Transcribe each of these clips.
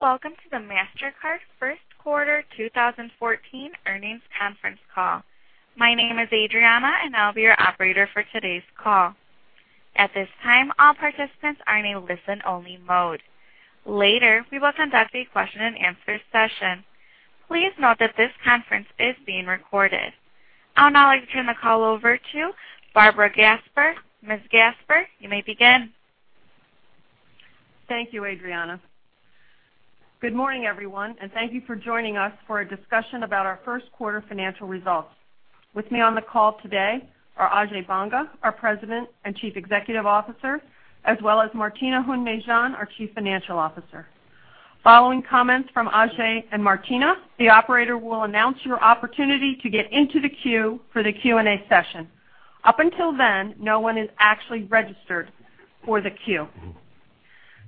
Welcome to the Mastercard first quarter 2014 earnings conference call. My name is Adriana, and I'll be your operator for today's call. At this time, all participants are in a listen-only mode. Later, we will conduct a question and answer session. Please note that this conference is being recorded. I would now like to turn the call over to Barbara Gasper. Ms. Gasper, you may begin. Thank you, Adriana. Good morning, everyone, thank you for joining us for a discussion about our first quarter financial results. With me on the call today are Ajay Banga, our President and Chief Executive Officer, as well as Martina Hund-Mejean, our Chief Financial Officer. Following comments from Ajay and Martina, the operator will announce your opportunity to get into the queue for the Q&A session. Up until then, no one is actually registered for the queue.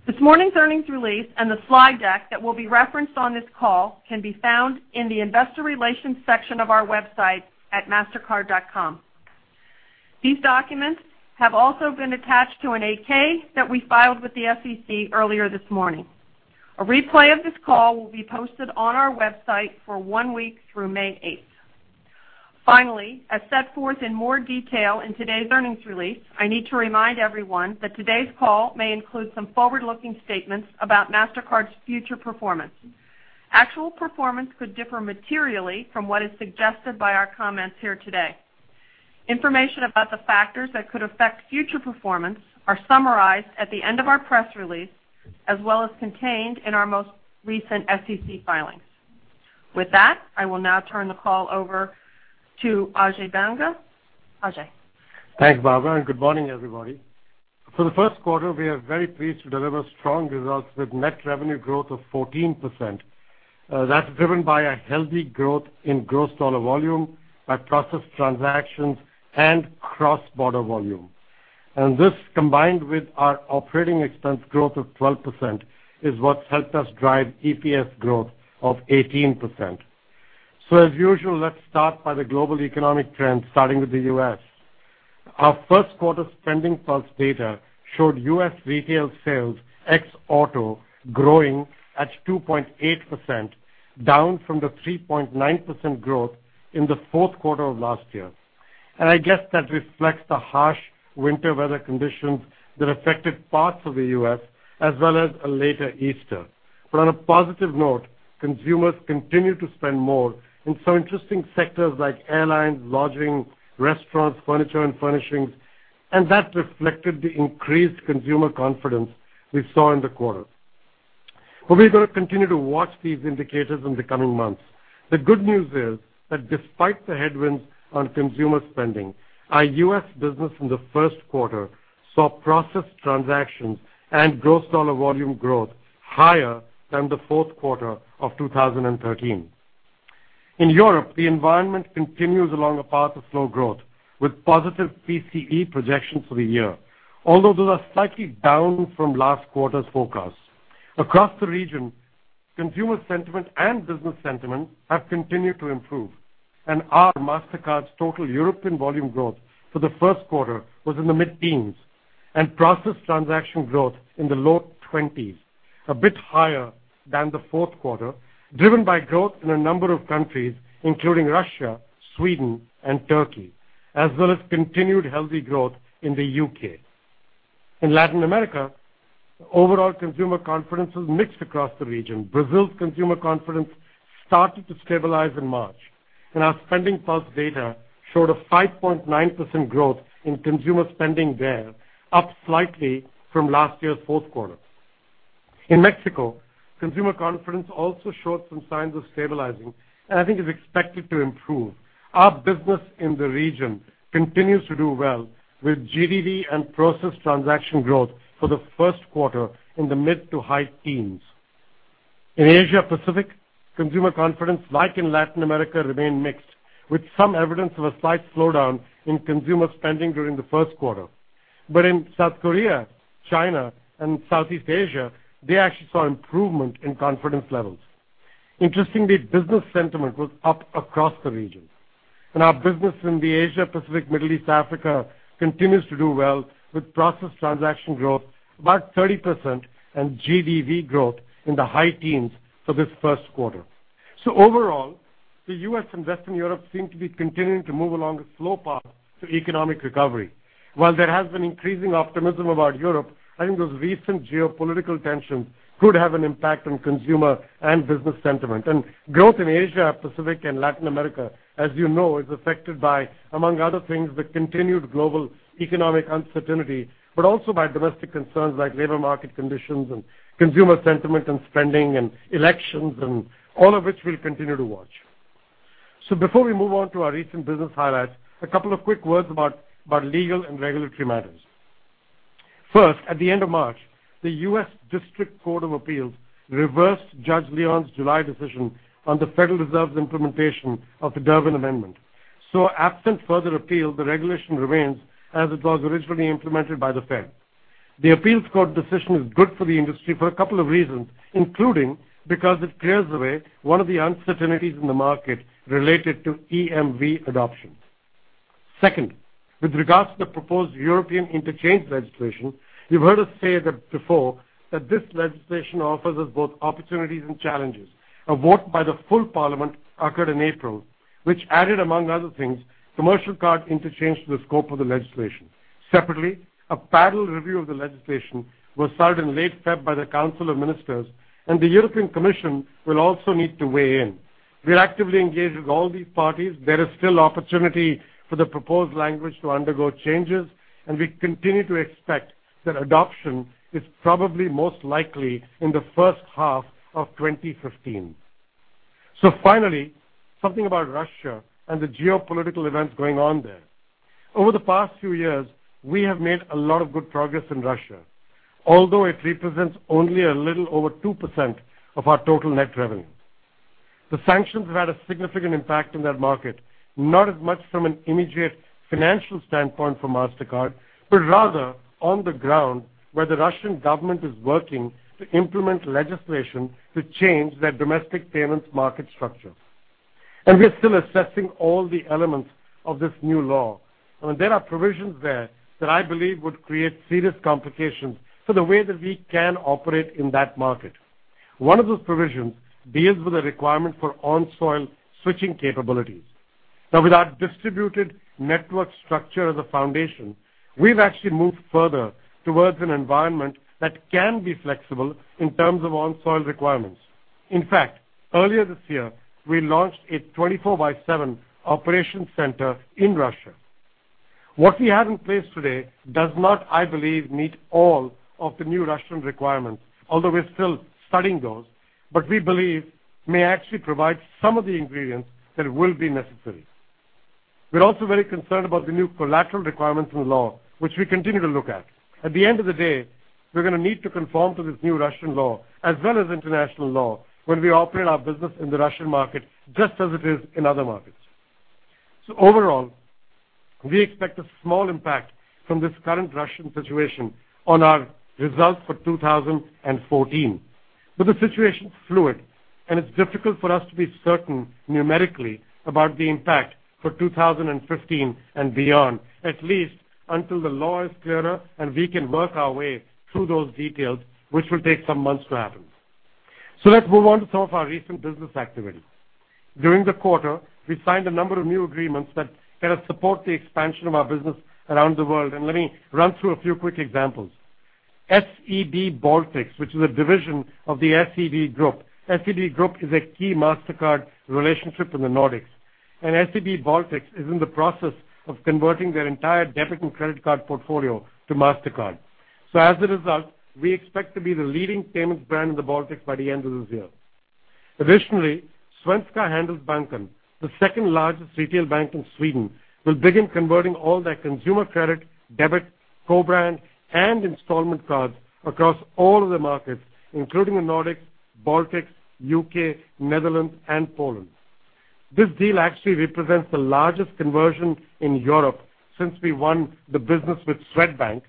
This morning's earnings release and the slide deck that will be referenced on this call can be found in the investor relations section of our website at mastercard.com. These documents have also been attached to an 8-K that we filed with the SEC earlier this morning. A replay of this call will be posted on our website for one week through May 8th. Finally, as set forth in more detail in today's earnings release, I need to remind everyone that today's call may include some forward-looking statements about Mastercard's future performance. Actual performance could differ materially from what is suggested by our comments here today. Information about the factors that could affect future performance are summarized at the end of our press release, as well as contained in our most recent SEC filings. With that, I will now turn the call over to Ajay Banga. Ajay. Thanks, Barbara. Good morning, everybody. For the first quarter, we are very pleased to deliver strong results with net revenue growth of 14%. That's driven by a healthy growth in gross dollar volume by processed transactions and cross-border volume. This, combined with our operating expense growth of 12%, is what's helped us drive EPS growth of 18%. As usual, let's start by the global economic trends, starting with the U.S. Our first quarter SpendingPulse data showed U.S. retail sales ex auto growing at 2.8%, down from the 3.9% growth in the fourth quarter of last year. I guess that reflects the harsh winter weather conditions that affected parts of the U.S. as well as a later Easter. On a positive note, consumers continue to spend more in some interesting sectors like airlines, lodging, restaurants, furniture and furnishings, that reflected the increased consumer confidence we saw in the quarter. We're going to continue to watch these indicators in the coming months. The good news is that despite the headwinds on consumer spending, our U.S. business in the first quarter saw processed transactions and gross dollar volume growth higher than the fourth quarter of 2013. In Europe, the environment continues along a path of slow growth with positive PCE projections for the year, although those are slightly down from last quarter's forecast. Across the region, consumer sentiment and business sentiment have continued to improve, our Mastercard's total European volume growth for the first quarter was in the mid-teens and processed transaction growth in the low 20s, a bit higher than the fourth quarter, driven by growth in a number of countries, including Russia, Sweden and Turkey, as well as continued healthy growth in the U.K. In Latin America, overall consumer confidence was mixed across the region. Brazil's consumer confidence started to stabilize in March, our SpendingPulse data showed a 5.9% growth in consumer spending there, up slightly from last year's fourth quarter. In Mexico, consumer confidence also showed some signs of stabilizing, I think is expected to improve. Our business in the region continues to do well with GDV and processed transaction growth for the first quarter in the mid to high teens. In Asia-Pacific, consumer confidence, like in Latin America, remained mixed, with some evidence of a slight slowdown in consumer spending during the first quarter. In South Korea, China, and Southeast Asia, they actually saw improvement in confidence levels. Interestingly, business sentiment was up across the region. Our business in the Asia-Pacific, Middle East, Africa continues to do well with processed transaction growth about 30% and GDV growth in the high teens for this first quarter. Overall, the U.S. and Western Europe seem to be continuing to move along a slow path to economic recovery. While there has been increasing optimism about Europe, I think those recent geopolitical tensions could have an impact on consumer and business sentiment. Growth in Asia-Pacific and Latin America, as you know, is affected by, among other things, the continued global economic uncertainty, also by domestic concerns like labor market conditions and consumer sentiment and spending and elections, all of which we'll continue to watch. Before we move on to our recent business highlights, a couple of quick words about legal and regulatory matters. First, at the end of March, the U.S. Court of Appeals reversed Judge Leon's July decision on the Federal Reserve's implementation of the Durbin Amendment. Absent further appeal, the regulation remains as it was originally implemented by the Fed. The appeals court decision is good for the industry for a couple of reasons, including because it clears the way one of the uncertainties in the market related to EMV adoption. Second, with regards to the proposed European interchange legislation, you've heard us say that before, that this legislation offers us both opportunities and challenges. A vote by the full Parliament occurred in April, which added, among other things, commercial card interchange to the scope of the legislation. Separately, a parallel review of the legislation was started in late February by the Council of Ministers, and the European Commission will also need to weigh in. We're actively engaged with all these parties. There is still opportunity for the proposed language to undergo changes, and we continue to expect that adoption is probably most likely in the first half of 2015. Finally, something about Russia and the geopolitical events going on there. Over the past few years, we have made a lot of good progress in Russia, although it represents only a little over 2% of our total net revenue. The sanctions have had a significant impact in that market, not as much from an immediate financial standpoint for Mastercard, but rather on the ground where the Russian government is working to implement legislation to change their domestic payments market structure. We are still assessing all the elements of this new law. There are provisions there that I believe would create serious complications for the way that we can operate in that market. One of those provisions deals with the requirement for on-soil switching capabilities. Now, with our distributed network structure as a foundation, we've actually moved further towards an environment that can be flexible in terms of on-soil requirements. In fact, earlier this year, we launched a 24/7 operation center in Russia. What we have in place today does not, I believe, meet all of the new Russian requirements, although we're still studying those, but we believe may actually provide some of the ingredients that will be necessary. We're also very concerned about the new collateral requirements in the law, which we continue to look at. At the end of the day, we're going to need to conform to this new Russian law as well as international law when we operate our business in the Russian market, just as it is in other markets. Overall, we expect a small impact from this current Russian situation on our results for 2014. The situation is fluid, and it's difficult for us to be certain numerically about the impact for 2015 and beyond, at least until the law is clearer and we can work our way through those details, which will take some months to happen. Let's move on to some of our recent business activity. During the quarter, we signed a number of new agreements that kind of support the expansion of our business around the world. Let me run through a few quick examples. SEB Baltics, which is a division of the SEB Group. SEB Group is a key Mastercard relationship in the Nordics, and SEB Baltics is in the process of converting their entire debit and credit card portfolio to Mastercard. As a result, we expect to be the leading payments brand in the Baltics by the end of this year. Additionally, Svenska Handelsbanken, the second-largest retail bank in Sweden, will begin converting all their consumer credit, debit, co-brand, and installment cards across all of their markets, including the Nordics, Baltics, U.K., Netherlands, and Poland. This deal actually represents the largest conversion in Europe since we won the business with Swedbank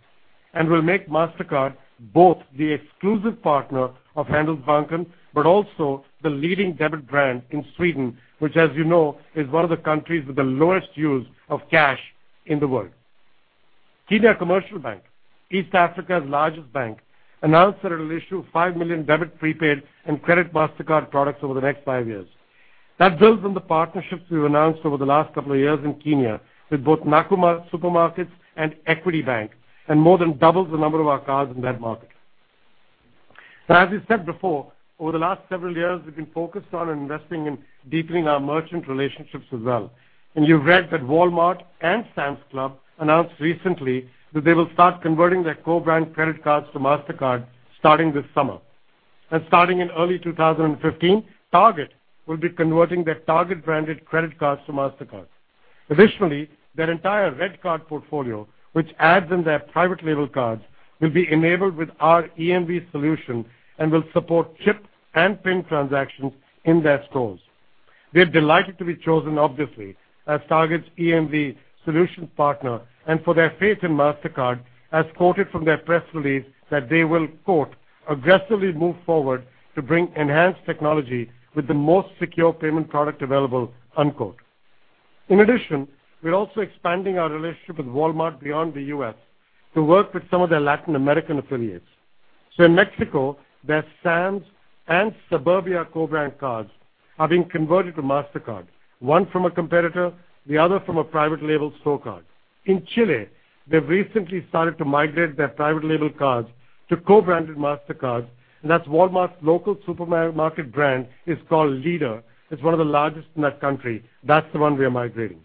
and will make Mastercard both the exclusive partner of Handelsbanken but also the leading debit brand in Sweden, which, as you know, is one of the countries with the lowest use of cash in the world. Kenya Commercial Bank, East Africa's largest bank, announced that it will issue 5 million debit, prepaid, and credit Mastercard products over the next five years. That builds on the partnerships we've announced over the last couple of years in Kenya with both Nakumatt Supermarkets and Equity Bank and more than doubles the number of our cards in that market. As we said before, over the last several years, we've been focused on investing in deepening our merchant relationships as well. And you've read that Walmart and Sam's Club announced recently that they will start converting their co-brand credit cards to Mastercard starting this summer. And starting in early 2015, Target will be converting their Target-branded credit cards to Mastercard. Additionally, their entire REDcard portfolio, which adds in their private label cards, will be enabled with our EMV solution and will support chip and PIN transactions in their stores. We're delighted to be chosen, obviously, as Target's EMV solutions partner and for their faith in Mastercard, as quoted from their press release that they will, quote, "Aggressively move forward to bring enhanced technology with the most secure payment product available," unquote. In addition, we're also expanding our relationship with Walmart beyond the U.S. to work with some of their Latin American affiliates. So in Mexico, their Sam's and Suburbia co-brand cards are being converted to Mastercard, one from a competitor, the other from a private label store card. In Chile, they've recently started to migrate their private label cards to co-branded Mastercards, and that's Walmart's local supermarket brand is called Líder. It's one of the largest in that country. That's the one we are migrating.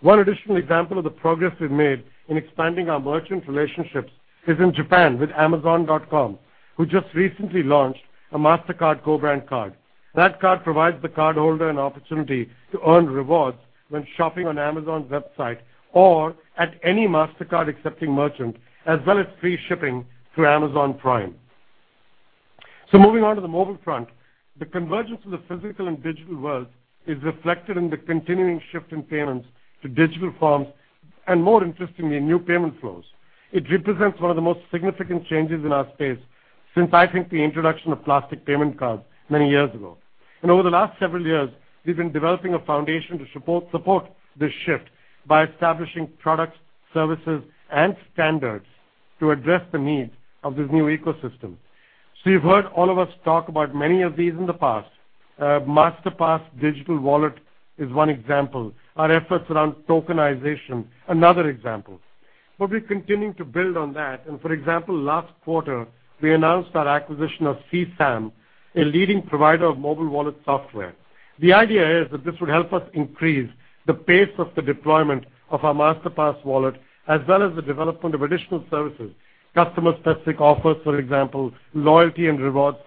One additional example of the progress we've made in expanding our merchant relationships is in Japan with amazon.com, who just recently launched a Mastercard co-brand card. That card provides the cardholder an opportunity to earn rewards when shopping on Amazon's website or at any Mastercard-accepting merchant, as well as free shipping through Amazon Prime. Moving on to the mobile front, the convergence of the physical and digital world is reflected in the continuing shift in payments to digital forms and, more interestingly, new payment flows. It represents one of the most significant changes in our space since I think the introduction of plastic payment cards many years ago. And over the last several years, we've been developing a foundation to support this shift by establishing products, services, and standards to address the needs of this new ecosystem. So you've heard all of us talk about many of these in the past. Masterpass digital wallet is one example. Our efforts around tokenization, another example. But we're continuing to build on that, and for example, last quarter, we announced our acquisition of C-SAM, a leading provider of mobile wallet software. The idea is that this would help us increase the pace of the deployment of our Masterpass wallet, as well as the development of additional services, customer-specific offers, for example, loyalty and rewards.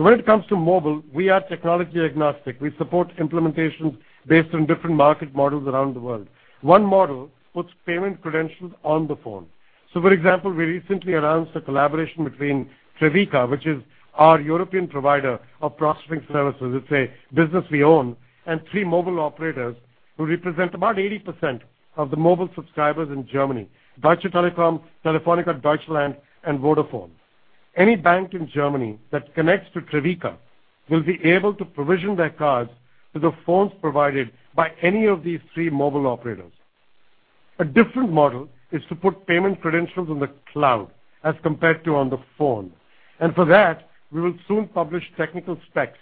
We are technology agnostic. We support implementations based on different market models around the world. One model puts payment credentials on the phone. For example, we recently announced a collaboration between Trevica, which is our European provider of processing services, it is a business we own, and three mobile operators who represent about 80% of the mobile subscribers in Germany, Deutsche Telekom, Telefónica Deutschland, and Vodafone. Any bank in Germany that connects to Trevica will be able to provision their cards to the phones provided by any of these three mobile operators. A different model is to put payment credentials in the cloud as compared to on the phone. For that, we will soon publish technical specs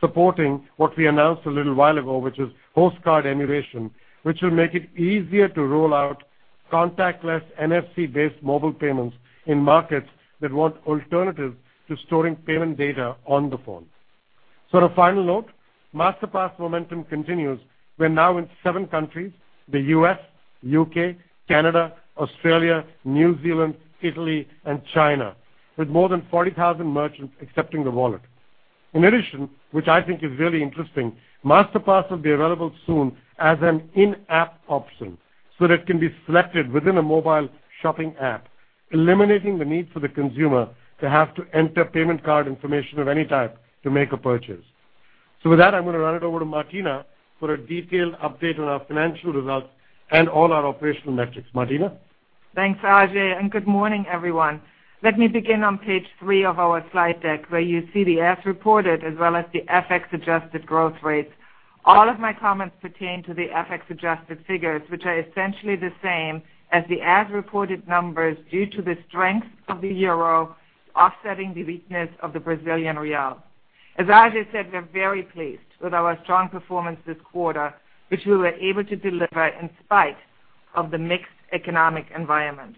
supporting what we announced a little while ago, which is host card emulation, which will make it easier to roll out contactless NFC-based mobile payments in markets that want alternatives to storing payment data on the phone. On a final note, Masterpass momentum continues. We are now in seven countries, the U.S., U.K., Canada, Australia, New Zealand, Italy, and China, with more than 40,000 merchants accepting the wallet. In addition, which I think is really interesting, Masterpass will be available soon as an in-app option so that it can be selected within a mobile shopping app, eliminating the need for the consumer to have to enter payment card information of any type to make a purchase. With that, I am going to run it over to Martina for a detailed update on our financial results and all our operational metrics. Martina? Thanks, Ajay, and good morning, everyone. Let me begin on page three of our slide deck, where you see the as reported as well as the FX-adjusted growth rates. All of my comments pertain to the FX-adjusted figures, which are essentially the same as the as-reported numbers due to the strength of the euro offsetting the weakness of the Brazilian real. As Ajay said, we are very pleased with our strong performance this quarter, which we were able to deliver in spite of the mixed economic environment.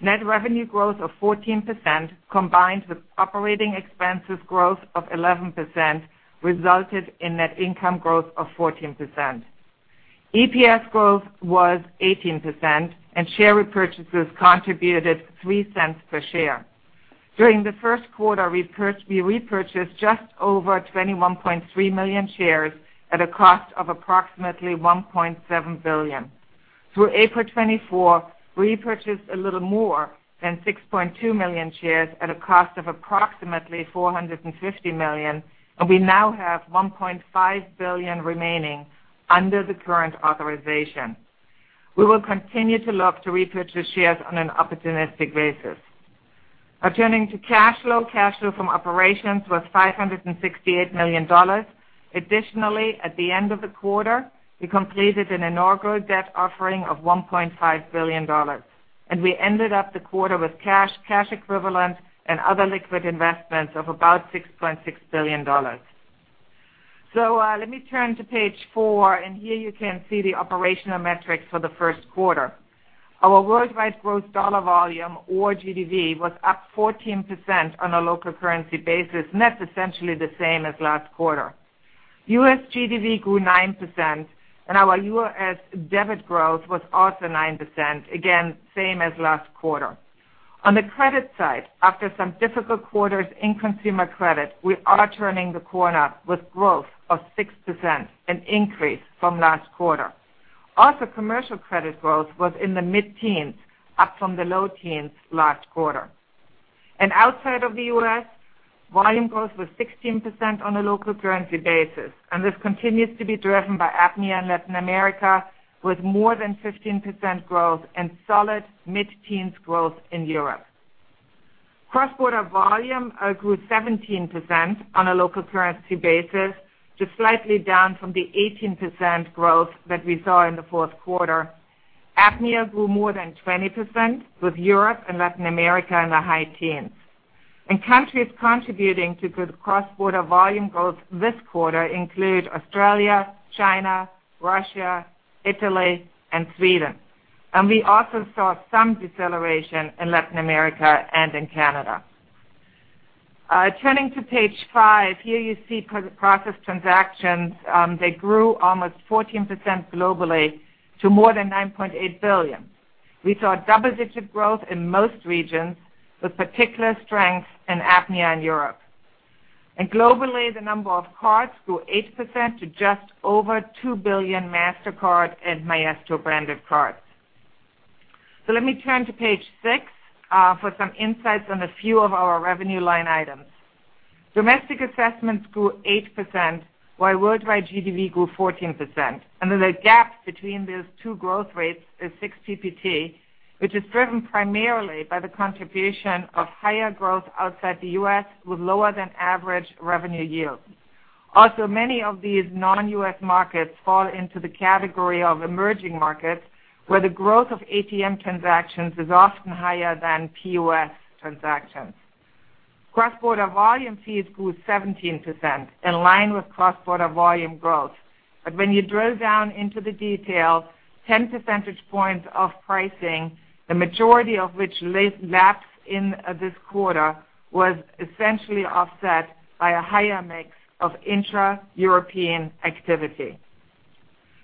Net revenue growth of 14% combined with operating expenses growth of 11% resulted in net income growth of 14%. EPS growth was 18%, and share repurchases contributed $0.03 per share. During the first quarter, we repurchased just over 21.3 million shares at a cost of approximately $1.7 billion. Through April 24, we repurchased a little more than 6.2 million shares at a cost of approximately $450 million, and we now have $1.5 billion remaining under the current authorization. We will continue to look to repurchase shares on an opportunistic basis. Turning to cash flow. Cash flow from operations was $568 million. Additionally, at the end of the quarter, we completed an inaugural debt offering of $1.5 billion. We ended up the quarter with cash equivalent, and other liquid investments of about $6.6 billion. So let me turn to page four, and here you can see the operational metrics for the first quarter. Our worldwide gross dollar volume or GDV was up 14% on a local currency basis, and that is essentially the same as last quarter. U.S. GDV grew 9%, and our U.S. debit growth was also 9%, again, same as last quarter. On the credit side, after some difficult quarters in consumer credit, we are turning the corner with growth of 6%, an increase from last quarter. Commercial credit growth was in the mid-teens, up from the low teens last quarter. Outside of the U.S., volume growth was 16% on a local currency basis, and this continues to be driven by APMEA and Latin America, with more than 15% growth and solid mid-teens growth in Europe. Cross-border volume grew 17% on a local currency basis, just slightly down from the 18% growth that we saw in the fourth quarter. APMEA grew more than 20%, with Europe and Latin America in the high teens. Countries contributing to good cross-border volume growth this quarter include Australia, China, Russia, Italy, and Sweden. We also saw some deceleration in Latin America and in Canada. Turning to page five. Here you see processed transactions. They grew almost 14% globally to more than 9.8 billion. We saw double-digit growth in most regions, with particular strength in APMEA and Europe. Globally, the number of cards grew 8% to just over 2 billion Mastercard and Maestro-branded cards. Let me turn to page six for some insights on a few of our revenue line items. Domestic assessments grew 8%, while worldwide GDV grew 14%. The gap between those two growth rates is 6 ppt. Which is driven primarily by the contribution of higher growth outside the U.S. with lower than average revenue yield. Many of these non-U.S. markets fall into the category of emerging markets, where the growth of ATM transactions is often higher than POS transactions. Cross-border volume fees grew 17%, in line with cross-border volume growth. When you drill down into the detail, 10 percentage points of pricing, the majority of which lapsed in this quarter was essentially offset by a higher mix of intra-European activity.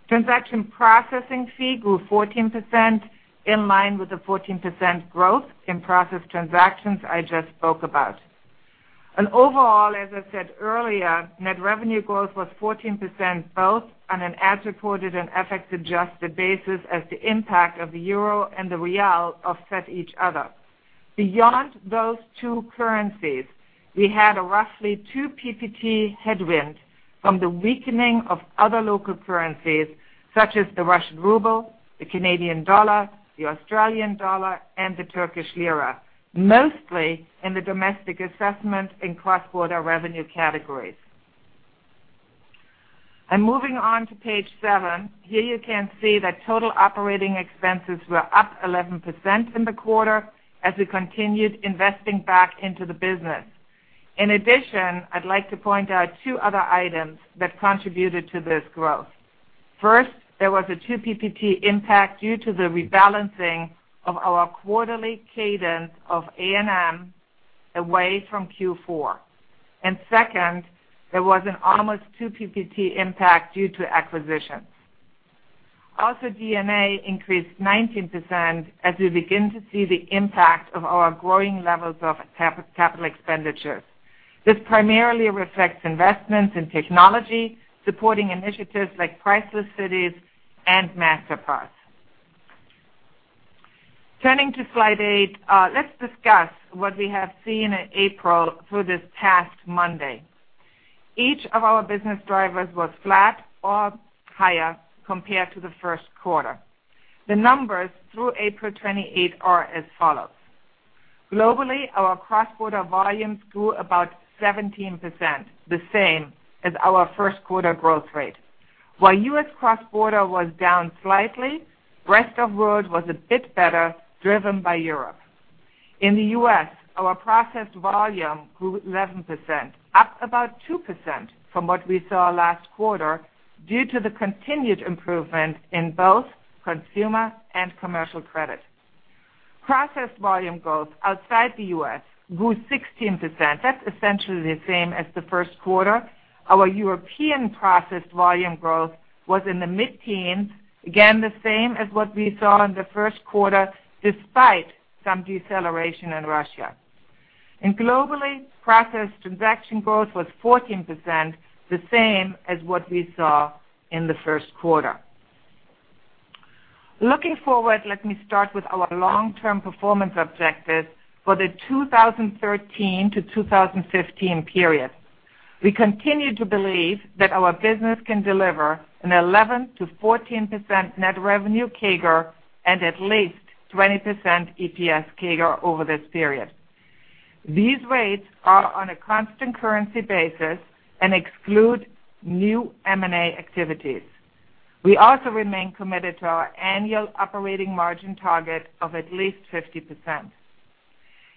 Transaction processing fee grew 14%, in line with the 14% growth in processed transactions I just spoke about. Overall, as I said earlier, net revenue growth was 14% both on an as-reported and FX-adjusted basis as the impact of the euro and the real offset each other. Beyond those two currencies, we had a roughly two PPT headwind from the weakening of other local currencies such as the Russian ruble, the Canadian dollar, the Australian dollar, and the Turkish lira. Mostly in the domestic assessment in cross-border revenue categories. Moving on to page seven. Here you can see that total operating expenses were up 11% in the quarter as we continued investing back into the business. In addition, I'd like to point out two other items that contributed to this growth. First, there was a two PPT impact due to the rebalancing of our quarterly cadence of A&M away from Q4. Second, there was an almost two PPT impact due to acquisitions. G&A increased 19% as we begin to see the impact of our growing levels of capital expenditure. This primarily reflects investments in technology, supporting initiatives like Priceless Cities and Mastercard. Turning to slide eight. Let's discuss what we have seen in April through this past Monday. Each of our business drivers was flat or higher compared to the first quarter. The numbers through April 28th are as follows. Globally, our cross-border volumes grew about 17%, the same as our first quarter growth rate. While U.S. cross-border was down slightly, rest of world was a bit better, driven by Europe. In the U.S., our processed volume grew 11%, up about 2% from what we saw last quarter due to the continued improvement in both consumer and commercial credit. Processed volume growth outside the U.S. grew 16%. That's essentially the same as the first quarter. Our European processed volume growth was in the mid-teens. Again, the same as what we saw in the first quarter despite some deceleration in Russia. Globally, processed transaction growth was 14%, the same as what we saw in the first quarter. Looking forward, let me start with our long-term performance objectives for the 2013 to 2015 period. We continue to believe that our business can deliver an 11%-14% net revenue CAGR and at least 20% EPS CAGR over this period. These rates are on a constant currency basis and exclude new M&A activities. We also remain committed to our annual operating margin target of at least 50%.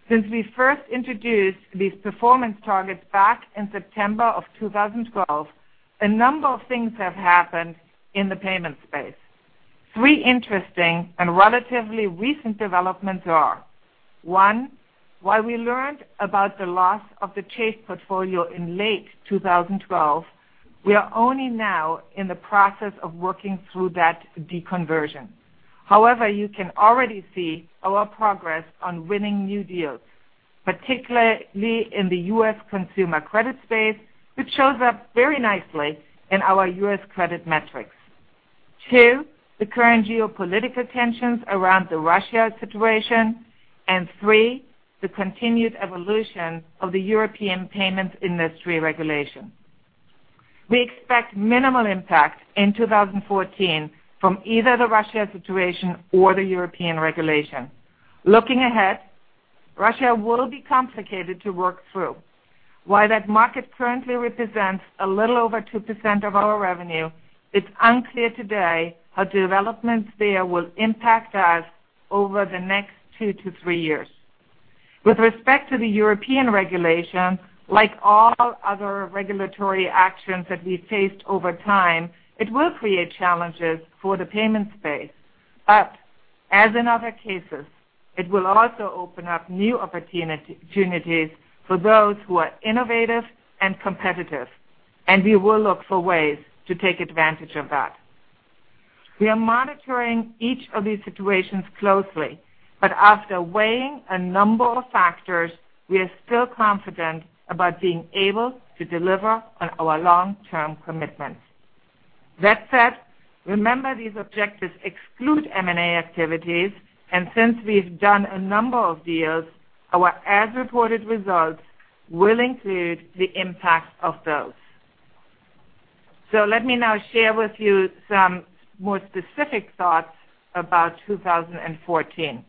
Since we first introduced these performance targets back in September of 2012, a number of things have happened in the payment space. Three interesting and relatively recent developments are, one, while we learned about the loss of the Chase portfolio in late 2012, we are only now in the process of working through that deconversion. However, you can already see our progress on winning new deals, particularly in the U.S. consumer credit space, which shows up very nicely in our U.S. credit metrics. Two, the current geopolitical tensions around the Russia situation. Three, the continued evolution of the European payments industry regulation. We expect minimal impact in 2014 from either the Russia situation or the European regulation. Looking ahead, Russia will be complicated to work through. While that market currently represents a little over 2% of our revenue, it's unclear today how developments there will impact us over the next two to three years. With respect to the European regulation, like all other regulatory actions that we faced over time, it will create challenges for the payments space. As in other cases, it will also open up new opportunities for those who are innovative and competitive, we will look for ways to take advantage of that. We are monitoring each of these situations closely, after weighing a number of factors, we are still confident about being able to deliver on our long-term commitments. That said, remember these objectives exclude M&A activities, since we've done a number of deals, our as-reported results will include the impact of those. Let me now share with you some more specific thoughts about 2014.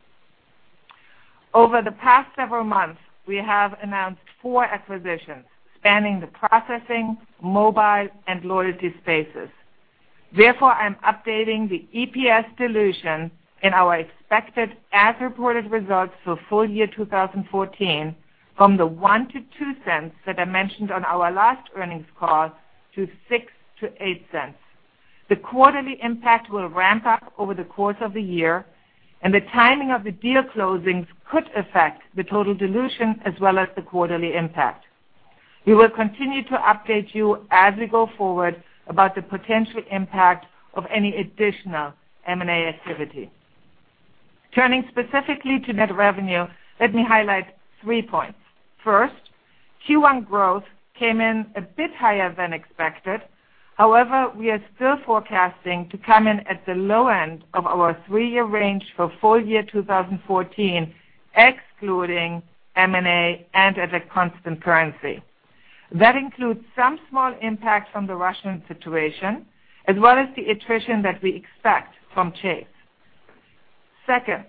Over the past several months, we have announced four acquisitions spanning the processing, mobile, and loyalty spaces. Therefore, I'm updating the EPS dilution in our expected as-reported results for full year 2014 from the $0.01-$0.02 that I mentioned on our last earnings call to $0.06-$0.08. The quarterly impact will ramp up over the course of the year, the timing of the deal closings could affect the total dilution as well as the quarterly impact. We will continue to update you as we go forward about the potential impact of any additional M&A activity. Turning specifically to net revenue, let me highlight three points. First, Q1 growth came in a bit higher than expected. We are still forecasting to come in at the low end of our three-year range for full year 2014, excluding M&A and at a constant currency. That includes some small impact from the Russian situation, as well as the attrition that we expect from Chase. Second,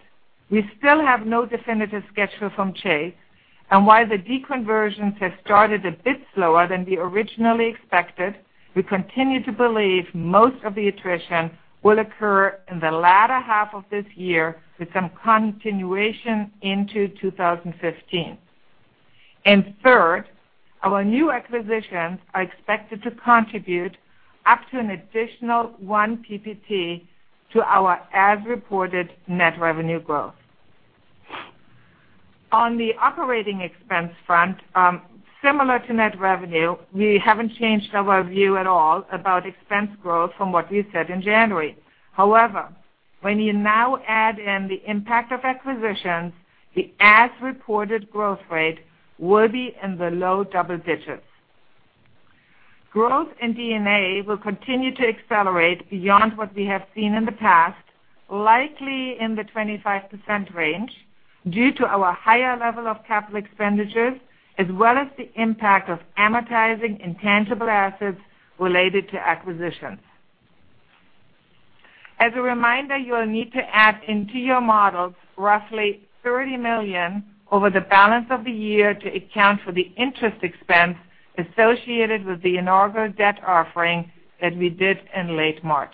we still have no definitive schedule from Chase, and while the deconversions have started a bit slower than we originally expected, we continue to believe most of the attrition will occur in the latter half of this year with some continuation into 2015. Third, our new acquisitions are expected to contribute up to an additional one PPT to our as-reported net revenue growth. On the operating expense front, similar to net revenue, we haven't changed our view at all about expense growth from what we said in January. However, when you now add in the impact of acquisitions, the as-reported growth rate will be in the low double digits. Growth in D&A will continue to accelerate beyond what we have seen in the past, likely in the 25% range, due to our higher level of capital expenditures, as well as the impact of amortizing intangible assets related to acquisitions. As a reminder, you will need to add into your models roughly $30 million over the balance of the year to account for the interest expense associated with the inaugural debt offering that we did in late March.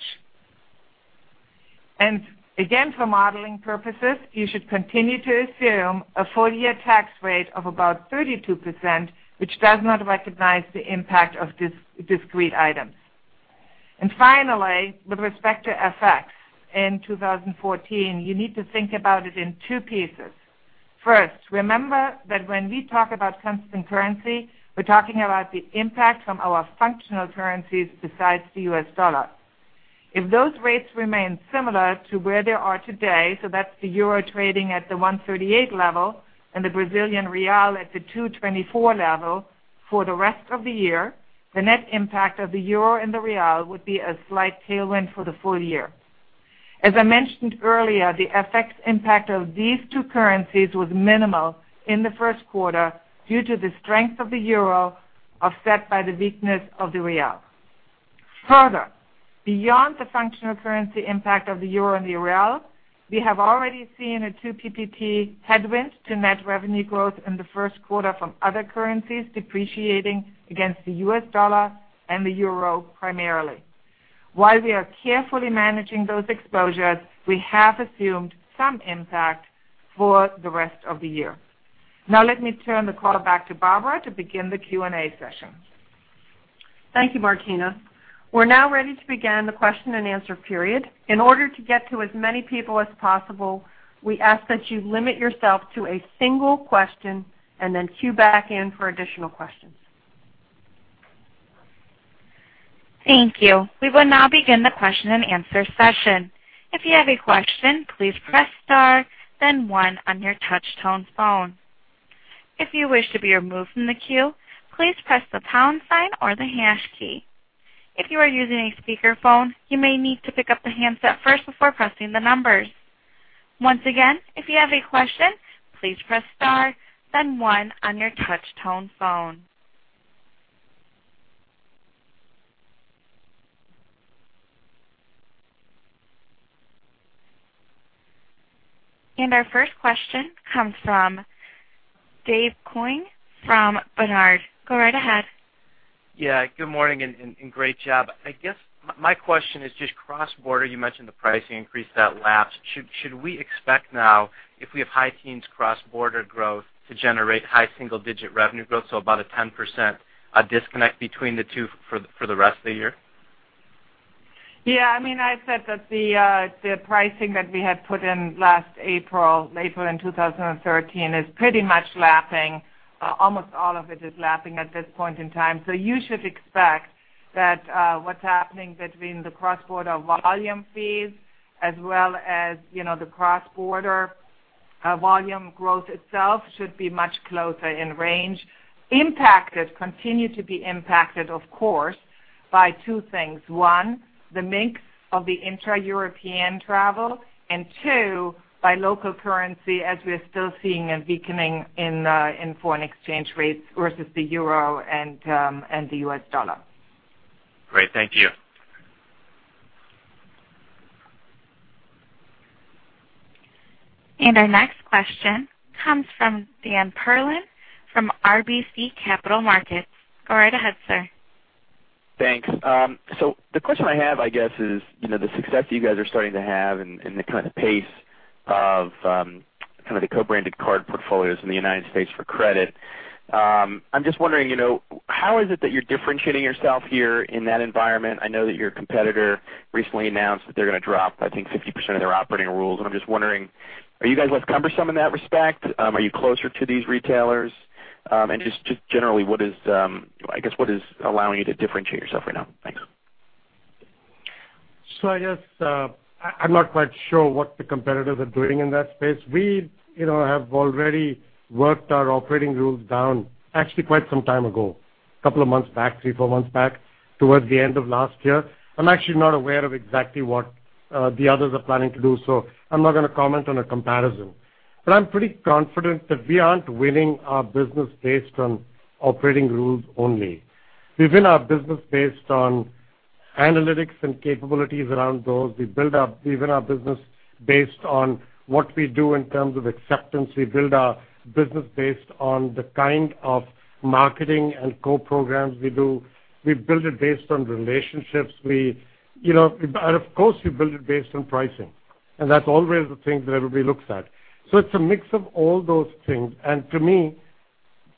Again, for modeling purposes, you should continue to assume a full year tax rate of about 32%, which does not recognize the impact of discrete items. Finally, with respect to FX in 2014, you need to think about it in two pieces. First, remember that when we talk about constant currency, we're talking about the impact from our functional currencies besides the U.S. dollar. If those rates remain similar to where they are today, so that's the euro trading at the 138 level and the Brazilian real at the 224 level for the rest of the year, the net impact of the euro and the real would be a slight tailwind for the full year. As I mentioned earlier, the FX impact of these two currencies was minimal in the first quarter due to the strength of the euro offset by the weakness of the real. Further, beyond the functional currency impact of the euro and the real, we have already seen a two PPT headwind to net revenue growth in the first quarter from other currencies depreciating against the U.S. dollar and the euro primarily. While we are carefully managing those exposures, we have assumed some impact for the rest of the year. Now let me turn the call back to Barbara to begin the Q&A session. Thank you, Martina. We're now ready to begin the question-and-answer period. In order to get to as many people as possible, we ask that you limit yourself to a single question and then queue back in for additional questions. Thank you. We will now begin the question-and-answer session. If you have a question, please press star then one on your touch tone phone. If you wish to be removed from the queue, please press the pound sign or the hash key. If you are using a speakerphone, you may need to pick up the handset first before pressing the numbers. Once again, if you have a question, please press star then one on your touch tone phone. Our first question comes from David Koning from Baird. Go right ahead. Good morning and great job. I guess my question is just cross-border. You mentioned the pricing increase that lapsed. Should we expect now if we have high teens cross-border growth to generate high single-digit revenue growth, so about a 10% disconnect between the two for the rest of the year? I said that the pricing that we had put in last April in 2013, is pretty much lapping. Almost all of it is lapping at this point in time. You should expect that what's happening between the cross-border volume fees as well as the cross-border volume growth itself should be much closer in range. Impacted, continue to be impacted, of course, by two things. One, the mix of the intra-European travel, and two, by local currency as we're still seeing a weakening in foreign exchange rates versus the euro and the US dollar. Great. Thank you. Our next question comes from Daniel Perlin from RBC Capital Markets. Go right ahead, sir. Thanks. The question I have, I guess, is the success you guys are starting to have and the kind of pace of the co-branded card portfolios in the U.S. for credit. I'm just wondering, how is it that you're differentiating yourself here in that environment? I know that your competitor recently announced that they're going to drop, I think, 50% of their operating rules. I'm just wondering, are you guys less cumbersome in that respect? Are you closer to these retailers? Just generally, what is allowing you to differentiate yourself right now? Thanks. I guess, I'm not quite sure what the competitors are doing in that space. We have already worked our operating rules down, actually quite some time ago, couple of months back, three, four months back, towards the end of last year. I'm actually not aware of exactly what the others are planning to do, so I'm not going to comment on a comparison. I'm pretty confident that we aren't winning our business based on operating rules only. We win our business based on analytics and capabilities around those. We build up even our business based on what we do in terms of acceptance. We build our business based on the kind of marketing and co-programs we do. We build it based on relationships. Of course, we build it based on pricing. That's always the thing that everybody looks at. It's a mix of all those things. To me,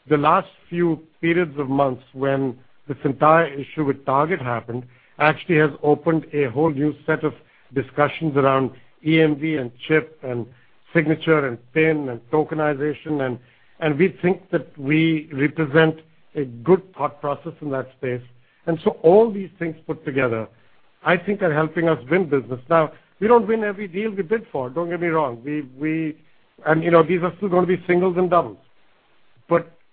the last few periods of months when this entire issue with Target happened, actually has opened a whole new set of discussions around EMV and chip and signature and PIN and tokenization, and we think that we represent a good thought process in that space. All these things put together, I think, are helping us win business. We don't win every deal we bid for, don't get me wrong. These are still going to be singles and doubles.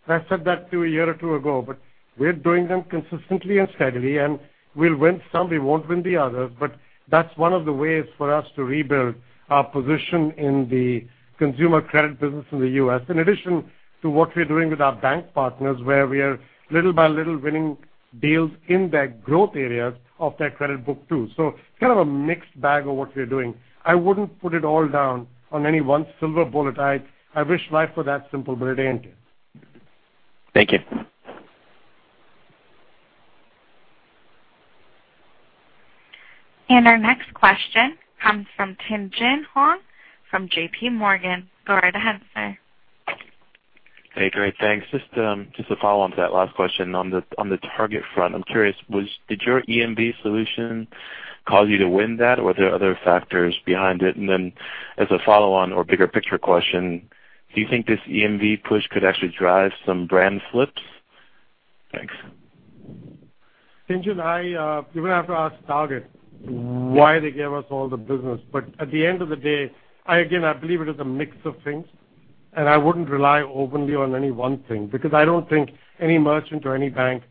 I said that two a year or two ago, but we're doing them consistently and steadily, and we'll win some, we won't win the others, but that's one of the ways for us to rebuild our position in the consumer credit business in the U.S. In addition to what we're doing with our bank partners, where we are little by little winning deals in their growth areas of their credit book too. It's kind of a mixed bag of what we're doing. I wouldn't put it all down on any one silver bullet. I wish life were that simple, but it ain't. Thank you. Our next question comes from Tien-tsin Huang from J.P. Morgan. Go right ahead, sir. Hey, great. Thanks. Just to follow on to that last question on the Target front, I'm curious, did your EMV solution cause you to win that, or were there other factors behind it? As a follow-on or bigger picture question, do you think this EMV push could actually drive some brand flips? Thanks. Tien-tsin, you're going to have to ask Target why they gave us all the business. At the end of the day, again, I believe it is a mix of things, and I wouldn't rely openly on any one thing, because I don't think any merchant or any bank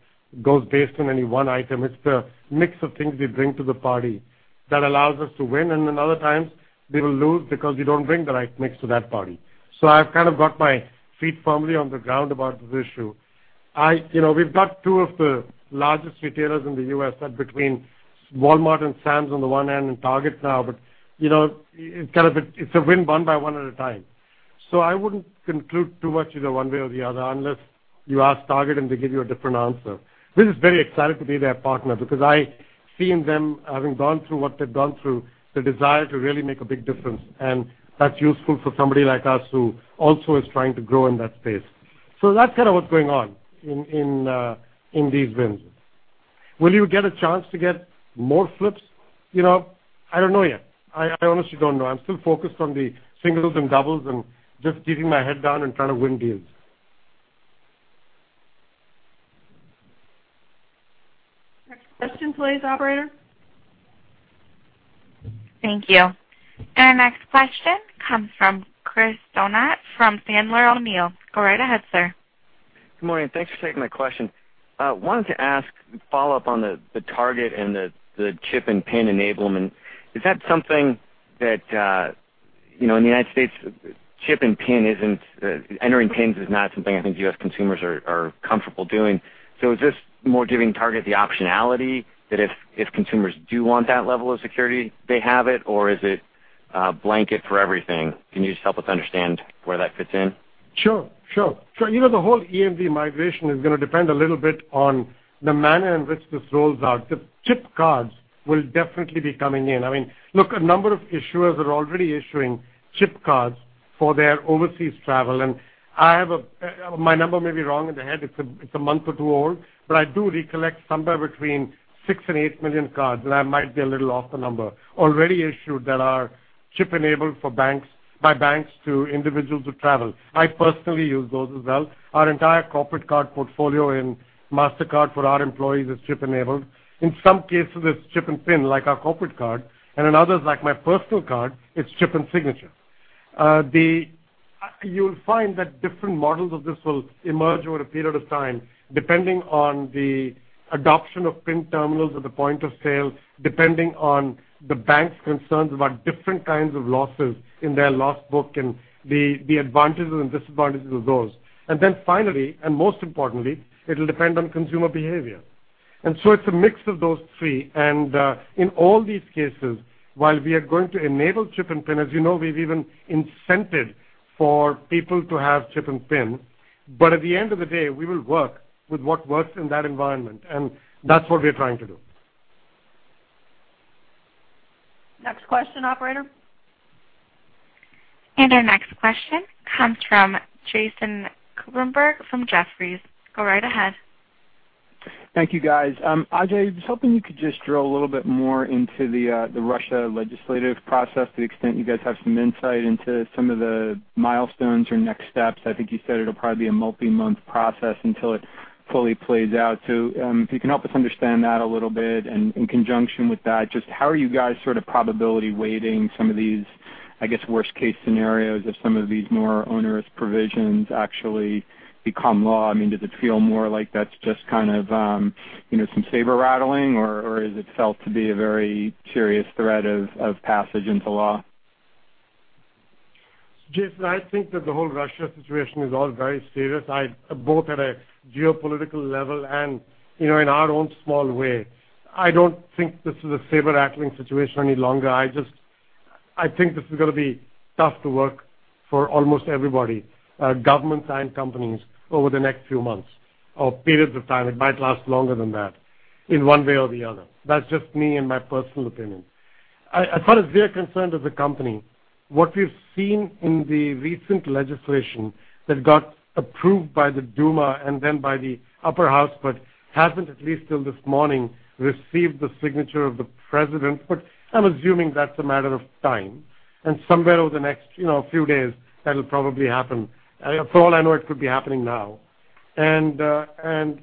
goes based on any one item. It's the mix of things we bring to the party that allows us to win. Other times, we will lose because we don't bring the right mix to that party. I've kind of got my feet firmly on the ground about this issue. We've got two of the largest retailers in the U.S. between Walmart and Sam's on the one hand and Target now, it's a win one by one at a time. I wouldn't conclude too much either one way or the other unless you ask Target and they give you a different answer. This is very excited to be their partner because I see in them, having gone through what they've gone through, the desire to really make a big difference. That's useful for somebody like us who also is trying to grow in that space. That's kind of what's going on in these wins. Will you get a chance to get more flips? I don't know yet. I honestly don't know. I'm still focused on the singles and doubles and just keeping my head down and trying to win deals. Next question, please, operator. Thank you. Our next question comes from Chris Donat from Sandler O'Neill. Go right ahead, sir. Good morning. Thanks for taking my question. I wanted to ask a follow-up on the Target and the chip and PIN enablement. Is that something that, in the U.S., entering PINs is not something I think U.S. consumers are comfortable doing. Is this more giving Target the optionality that if consumers do want that level of security, they have it, or is it a blanket for everything? Can you just help us understand where that fits in? Sure. The whole EMV migration is going to depend a little bit on the manner in which this rolls out. The chip cards will definitely be coming in. Look, a number of issuers are already issuing chip cards for their overseas travel, and my number may be wrong in the head, it's a month or two old, but I do recollect somewhere between six and eight million cards, and I might be a little off the number, already issued that are chip-enabled by banks to individuals who travel. I personally use those as well. Our entire corporate card portfolio in Mastercard for our employees is chip-enabled. In some cases, it's chip and PIN, like our corporate card, and in others, like my personal card, it's chip and signature. You'll find that different models of this will emerge over a period of time, depending on the adoption of PIN terminals at the point of sale, depending on the bank's concerns about different kinds of losses in their loss book and the advantages and disadvantages of those. Then finally, and most importantly, it'll depend on consumer behavior. So it's a mix of those three. In all these cases, while we are going to enable chip and PIN, as you know, we've even incented for people to have chip and PIN. At the end of the day, we will work with what works in that environment, and that's what we're trying to do. Next question, Operator. Our next question comes from Jason Kupferberg from Jefferies. Go right ahead. Thank you, guys. Ajay, I was hoping you could just drill a little bit more into the Russia legislative process, to the extent you guys have some insight into some of the milestones or next steps. I think you said it'll probably be a multi-month process until it fully plays out. If you can help us understand that a little bit and in conjunction with that, just how are you guys sort of probability weighting some of these, I guess, worst case scenarios if some of these more onerous provisions actually become law? I mean, does it feel more like that's just some saber-rattling or has it felt to be a very serious threat of passage into law? Jason, I think that the whole Russia situation is all very serious, both at a geopolitical level and in our own small way. I don't think this is a saber-rattling situation any longer. I think this is going to be tough to work for almost everybody, governments and companies, over the next few months or periods of time. It might last longer than that in one way or the other. That's just me and my personal opinion. As far as we're concerned as a company, what we've seen in the recent legislation that got approved by the Duma and then by the upper house, but hasn't, at least till this morning, received the signature of the president. I'm assuming that's a matter of time, and somewhere over the next few days, that'll probably happen. For all I know, it could be happening now. Therefore, I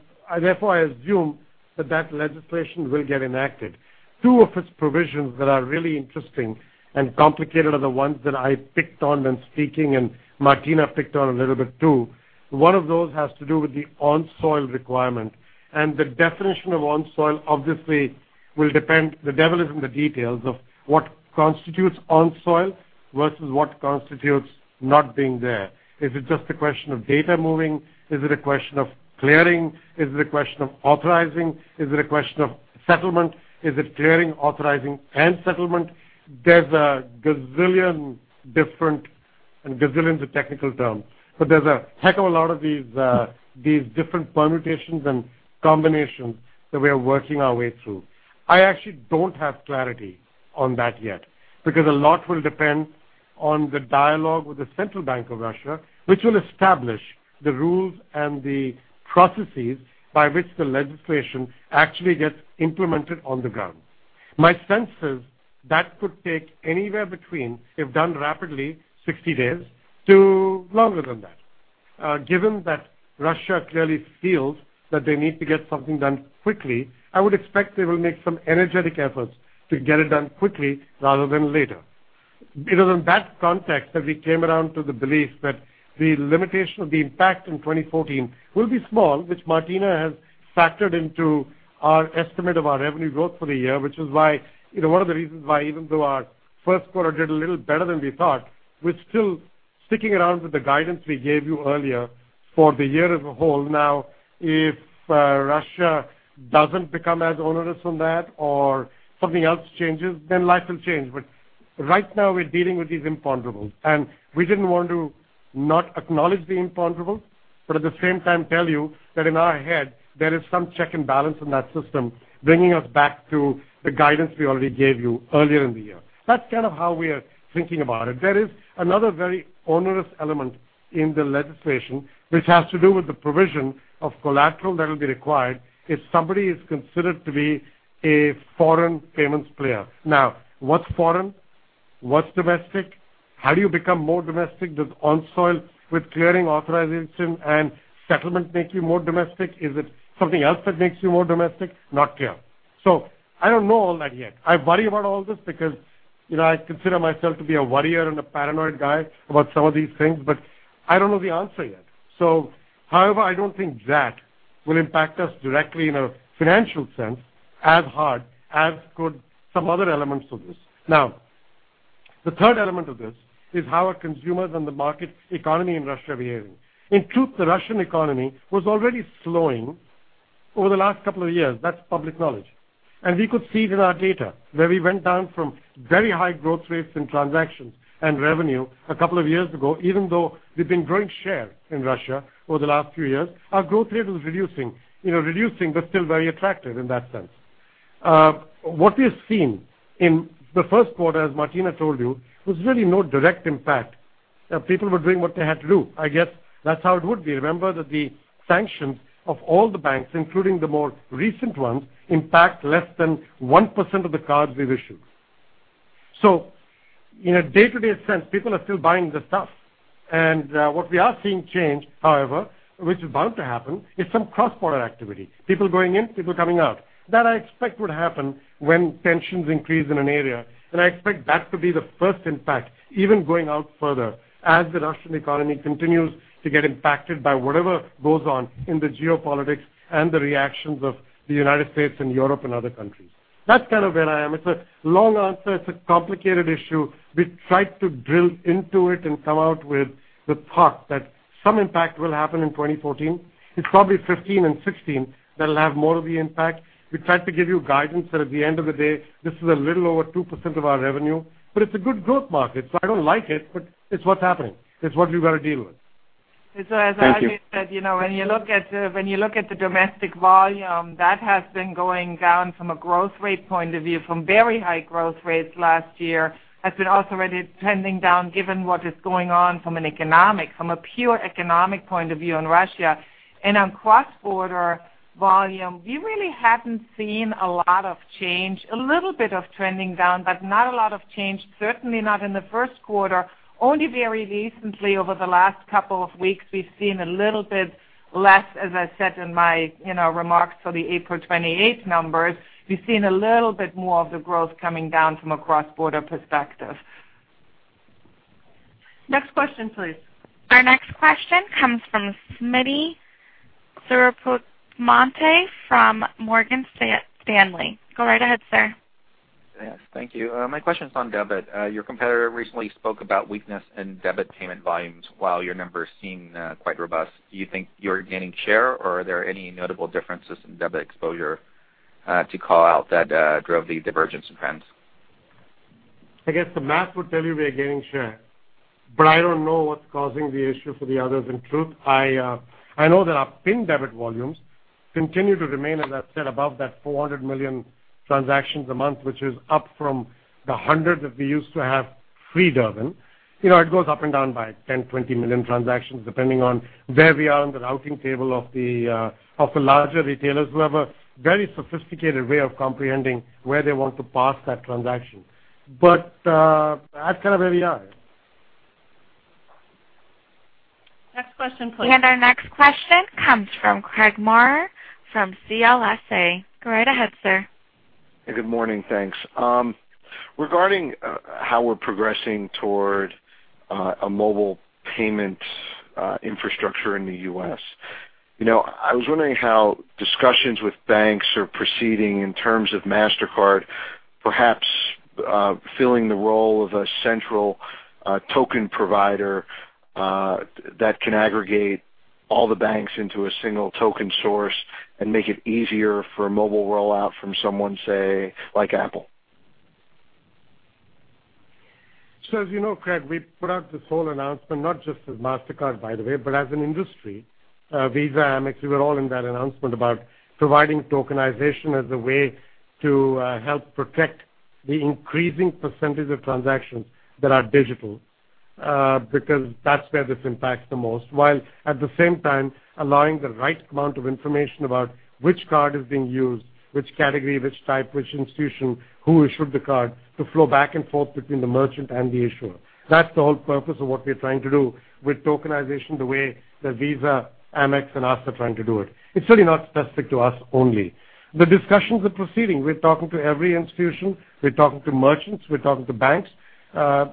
assume that legislation will get enacted. Two of its provisions that are really interesting and complicated are the ones that I picked on when speaking, and Martina picked on a little bit, too. One of those has to do with the on-soil requirement. The definition of on-soil obviously will depend. The devil is in the details of what constitutes on-soil versus what constitutes not being there. Is it just a question of data moving? Is it a question of clearing? Is it a question of authorizing? Is it a question of settlement? Is it clearing, authorizing, and settlement? There's a gazillion different, and gazillion is a technical term. There's a heck of a lot of these different permutations and combinations that we are working our way through. I actually don't have clarity on that yet because a lot will depend on the dialogue with the Central Bank of Russia, which will establish the rules and the processes by which the legislation actually gets implemented on the ground. My sense is that could take anywhere between, if done rapidly, 60 days to longer than that. Given that Russia clearly feels that they need to get something done quickly, I would expect they will make some energetic efforts to get it done quickly rather than later. It is in that context that we came around to the belief that the limitation of the impact in 2014 will be small, which Martina has factored into our estimate of our revenue growth for the year, which is one of the reasons why even though our first quarter did a little better than we thought, we're still sticking around with the guidance we gave you earlier for the year as a whole. If Russia doesn't become as onerous on that or something else changes, then life will change. Right now we're dealing with these imponderables. We didn't want to not acknowledge the imponderables, but at the same time tell you that in our head, there is some check and balance in that system bringing us back to the guidance we already gave you earlier in the year. That's kind of how we are thinking about it. There is another very onerous element in the legislation which has to do with the provision of collateral that will be required if somebody is considered to be a foreign payments player. What's foreign? What's domestic? How do you become more domestic? Does on-soil with clearing authorization and settlement make you more domestic? Is it something else that makes you more domestic? Not clear. I don't know all that yet. I worry about all this because I consider myself to be a worrier and a paranoid guy about some of these things, but I don't know the answer yet. However, I don't think that will impact us directly in a financial sense as hard as could some other elements of this. The third element of this is how are consumers and the market economy in Russia behaving. In truth, the Russian economy was already slowing over the last couple of years. That's public knowledge. We could see it in our data where we went down from very high growth rates in transactions and revenue a couple of years ago. Even though we've been growing share in Russia over the last few years, our growth rate was reducing. Reducing but still very attractive in that sense. What we've seen in the first quarter, as Martina told you, was really no direct impact. People were doing what they had to do. I guess that's how it would be. Remember that the sanctions of all the banks, including the more recent ones, impact less than 1% of the cards we've issued. In a day-to-day sense, people are still buying the stuff. What we are seeing change, however, which is bound to happen, is some cross-border activity. People going in, people coming out. That I expect would happen when tensions increase in an area. I expect that to be the first impact, even going out further as the Russian economy continues to get impacted by whatever goes on in the geopolitics and the reactions of the U.S. and Europe and other countries. That's kind of where I am. It's a long answer. It's a complicated issue. We tried to drill into it and come out with the thought that some impact will happen in 2014. It's probably 2015 and 2016 that'll have more of the impact. We tried to give you guidance that at the end of the day, this is a little over 2% of our revenue, but it's a good growth market. I don't like it, but it's what's happening. It's what you got to deal with. As Ajay said, when you look at the domestic volume, that has been going down from a growth rate point of view from very high growth rates last year. Has been also already trending down, given what is going on from a pure economic point of view in Russia. On cross-border volume, we really haven't seen a lot of change. A little bit of trending down, but not a lot of change, certainly not in the first quarter. Only very recently, over the last couple of weeks, we've seen a little bit less, as I said in my remarks for the April 28th numbers. We've seen a little bit more of the growth coming down from a cross-border perspective. Next question, please. Our next question comes from Smitti Srethapramote, from Morgan Stanley. Go right ahead, sir. Yes. Thank you. My question is on debit. Your competitor recently spoke about weakness in debit payment volumes while your numbers seem quite robust. Do you think you're gaining share, or are there any notable differences in debit exposure to call out that drove the divergence in trends? I guess the math would tell you we are gaining share. I don't know what's causing the issue for the others in truth. I know that our PIN debit volumes continue to remain, as I've said, above that 400 million transactions a month, which is up from the 100 that we used to have pre-Durbin. It goes up and down by 10, 20 million transactions, depending on where we are in the routing table of the larger retailers who have a very sophisticated way of comprehending where they want to park that transaction. That's kind of where we are. Next question, please. Our next question comes from Craig Maurer from CLSA. Go right ahead, sir. Good morning. Thanks. Regarding how we're progressing toward a mobile payment infrastructure in the U.S., I was wondering how discussions with banks are proceeding in terms of Mastercard, perhaps filling the role of a central token provider that can aggregate all the banks into a single token source and make it easier for a mobile rollout from someone, say, like Apple. As you know, Craig, we put out this whole announcement, not just as Mastercard, by the way, but as an industry. Visa, Amex, we were all in that announcement about providing tokenization as a way to help protect the increasing percentage of transactions that are digital because that's where this impacts the most. While at the same time allowing the right amount of information about which card is being used, which category, which type, which institution, who issued the card to flow back and forth between the merchant and the issuer. That's the whole purpose of what we're trying to do with tokenization, the way that Visa, Amex, and us are trying to do it. It's certainly not specific to us only. The discussions are proceeding. We're talking to every institution. We're talking to merchants. We're talking to banks.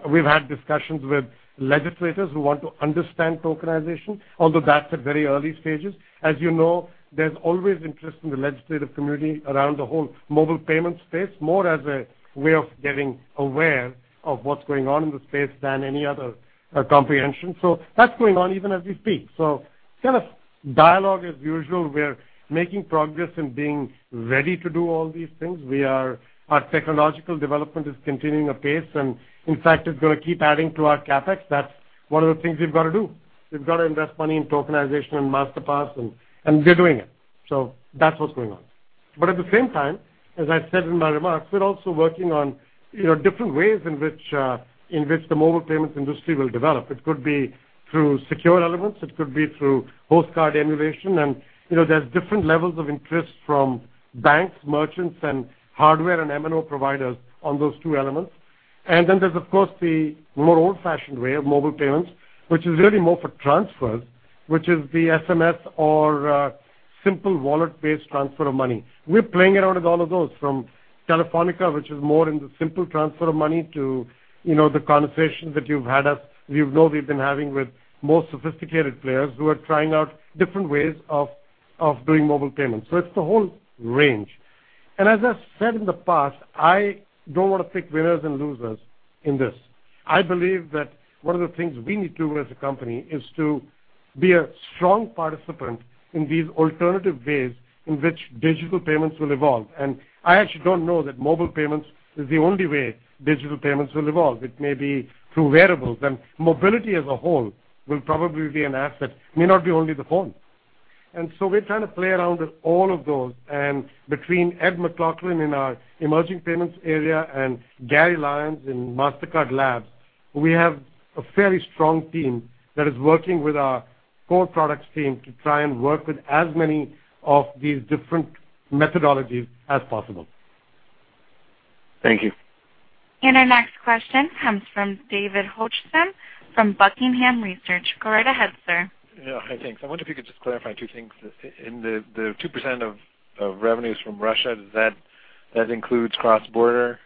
We've had discussions with legislators who want to understand tokenization, although that's at very early stages. As you know, there's always interest in the legislative community around the whole mobile payment space, more as a way of getting aware of what's going on in the space than any other comprehension. That's going on even as we speak. Kind of dialogue as usual. We're making progress and being ready to do all these things. Our technological development is continuing apace, and in fact, it's going to keep adding to our CapEx. That's one of the things we've got to do. We've got to invest money in tokenization and Masterpass, and we're doing it. That's what's going on. At the same time, as I said in my remarks, we're also working on different ways in which the mobile payments industry will develop. It could be through secure elements, it could be through host card emulation, and there is different levels of interest from banks, merchants, and hardware and MNO providers on those two elements. Then there is, of course, the more old-fashioned way of mobile payments, which is really more for transfers, which is the SMS or simple wallet-based transfer of money. We are playing around with all of those from Telefónica, which is more in the simple transfer of money to the conversations that you know we have been having with more sophisticated players who are trying out different ways of doing mobile payments. It is the whole range. As I have said in the past, I do not want to pick winners and losers in this. I believe that one of the things we need to do as a company is to be a strong participant in these alternative ways in which digital payments will evolve. I actually do not know that mobile payments is the only way digital payments will evolve. It may be through wearables, and mobility as a whole will probably be an asset. It may not be only the phone. We are trying to play around with all of those. Between Ed McLaughlin in our emerging payments area and Garry Lyons in Mastercard Labs, we have a fairly strong team that is working with our core products team to try and work with as many of these different methodologies as possible. Thank you. Our next question comes from David Hochstim from Buckingham Research. Go right ahead, sir. Yeah. Hi. Thanks. I wonder if you could just clarify two things. In the 2% of revenues from Russia, does that include cross-border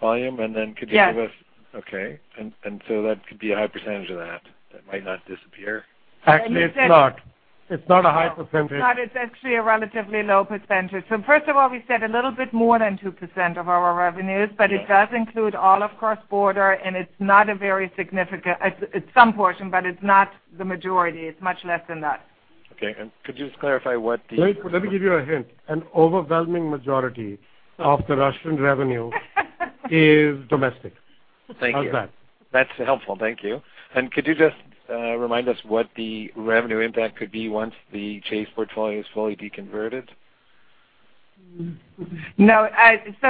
volume? Could you give us- Yes. Okay. That could be a high percentage of that might not disappear. Actually, it's not. It's not a high percentage. It's actually a relatively low percentage. First of all, we said a little bit more than 2% of our revenues, but it does include all of cross-border. It's some portion, but it's not the majority. It's much less than that. Okay. Could you just clarify what the. Wait, let me give you a hint. An overwhelming majority of the Russian revenue is domestic. Thank you. How's that? That's helpful. Thank you. Could you just remind us what the revenue impact could be once the Chase portfolio is fully deconverted? No.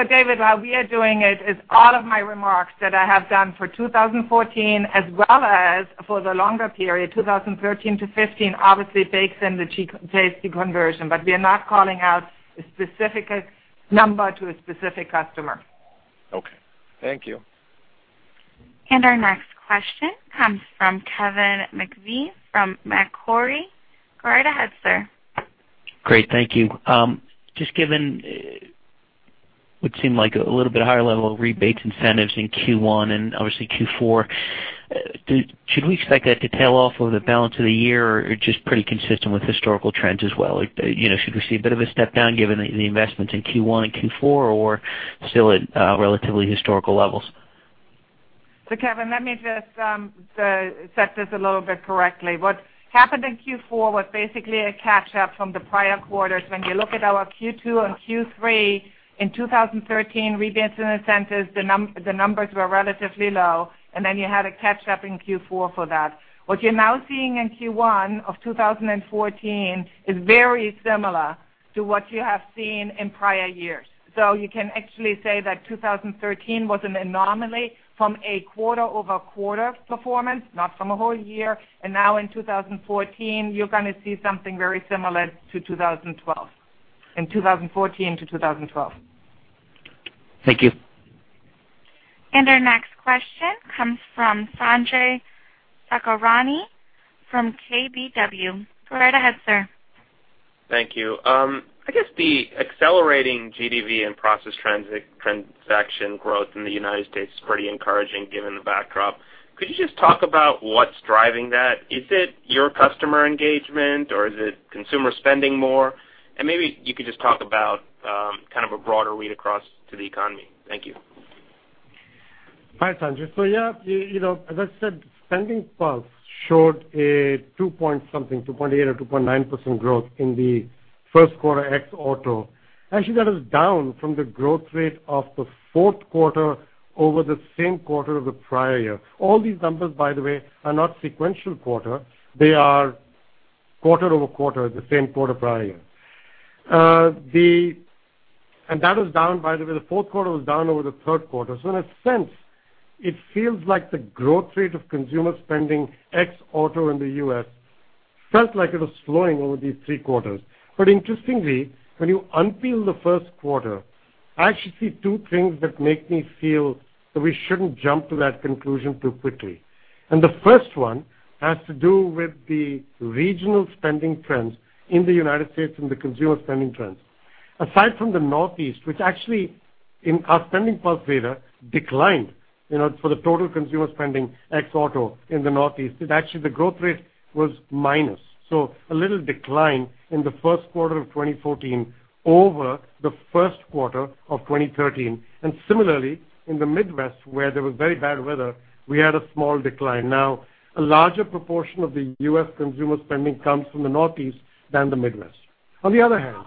David, while we are doing it, is all of my remarks that I have done for 2014, as well as for the longer period, 2013 to 2015, obviously bakes in the Chase deconversion, but we are not calling out a specific number to a specific customer. Okay. Thank you. Our next question comes from Kevin McVeigh from Macquarie. Go right ahead, sir. Great. Thank you. Just given what seemed like a little bit higher level of rebates incentives in Q1 and obviously Q4, should we expect that to tail off over the balance of the year or just pretty consistent with historical trends as well? Should we see a bit of a step down given the investments in Q1 and Q4, or still at relatively historical levels? Kevin, let me just set this a little bit correctly. What happened in Q4 was basically a catch-up from the prior quarters. When you look at our Q2 and Q3 in 2013, rebates and incentives, the numbers were relatively low, and then you had a catch-up in Q4 for that. What you're now seeing in Q1 of 2014 is very similar to what you have seen in prior years. You can actually say that 2013 was an anomaly from a quarter-over-quarter performance, not from a whole year. Now in 2014, you're going to see something very similar to 2012. Thank you. Our next question comes from Sanjay Sakhrani from KBW. Go right ahead, sir. Thank you. I guess the accelerating GDV and process transaction growth in the U.S. is pretty encouraging given the backdrop. Could you just talk about what's driving that? Is it your customer engagement or is it consumer spending more? Maybe you could just talk about kind of a broader read across to the economy. Thank you. Hi, Sanjay. Yeah, as I said, SpendingPulse showed a two-point something, 2.8% or 2.9% growth in the first quarter ex auto. Actually, that is down from the growth rate of the fourth quarter over the same quarter of the prior year. All these numbers, by the way, are not sequential quarter. They are quarter-over-quarter, the same quarter prior year. That is down, by the way, the fourth quarter was down over the third quarter. In a sense, it feels like the growth rate of consumer spending ex auto in the U.S. felt like it was slowing over these three quarters. Interestingly, when you unpeel the first quarter, I actually see two things that make me feel that we shouldn't jump to that conclusion too quickly. The first one has to do with the regional spending trends in the U.S. and the consumer spending trends. Aside from the Northeast, which actually in our SpendingPulse data declined for the total consumer spending ex auto in the Northeast, it actually the growth rate was minus. A little decline in the first quarter of 2014 over the first quarter of 2013. Similarly, in the Midwest, where there was very bad weather, we had a small decline. Now, a larger proportion of the U.S. consumer spending comes from the Northeast than the Midwest. On the other hand,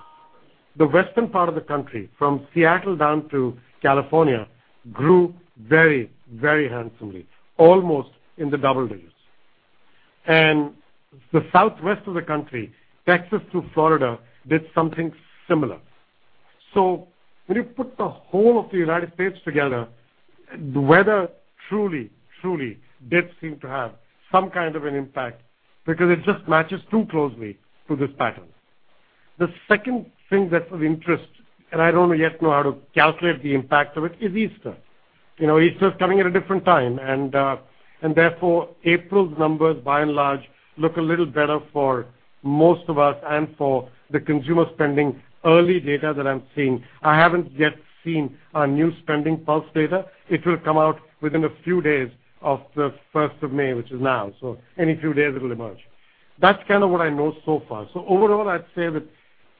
the western part of the country, from Seattle down to California, grew very handsomely, almost in the double digits. The southwest of the country, Texas to Florida, did something similar. When you put the whole of the U.S. together, the weather truly did seem to have some kind of an impact because it just matches too closely to this pattern. The second thing that's of interest, and I don't yet know how to calculate the impact of it, is Easter. Easter is coming at a different time, and therefore, April's numbers by and large, look a little better for most of us and for the consumer spending early data that I'm seeing. I haven't yet seen our new SpendingPulse data. It will come out within a few days of the 1st of May, which is now. Any few days, it'll emerge. That's kind of what I know so far. Overall, I'd say that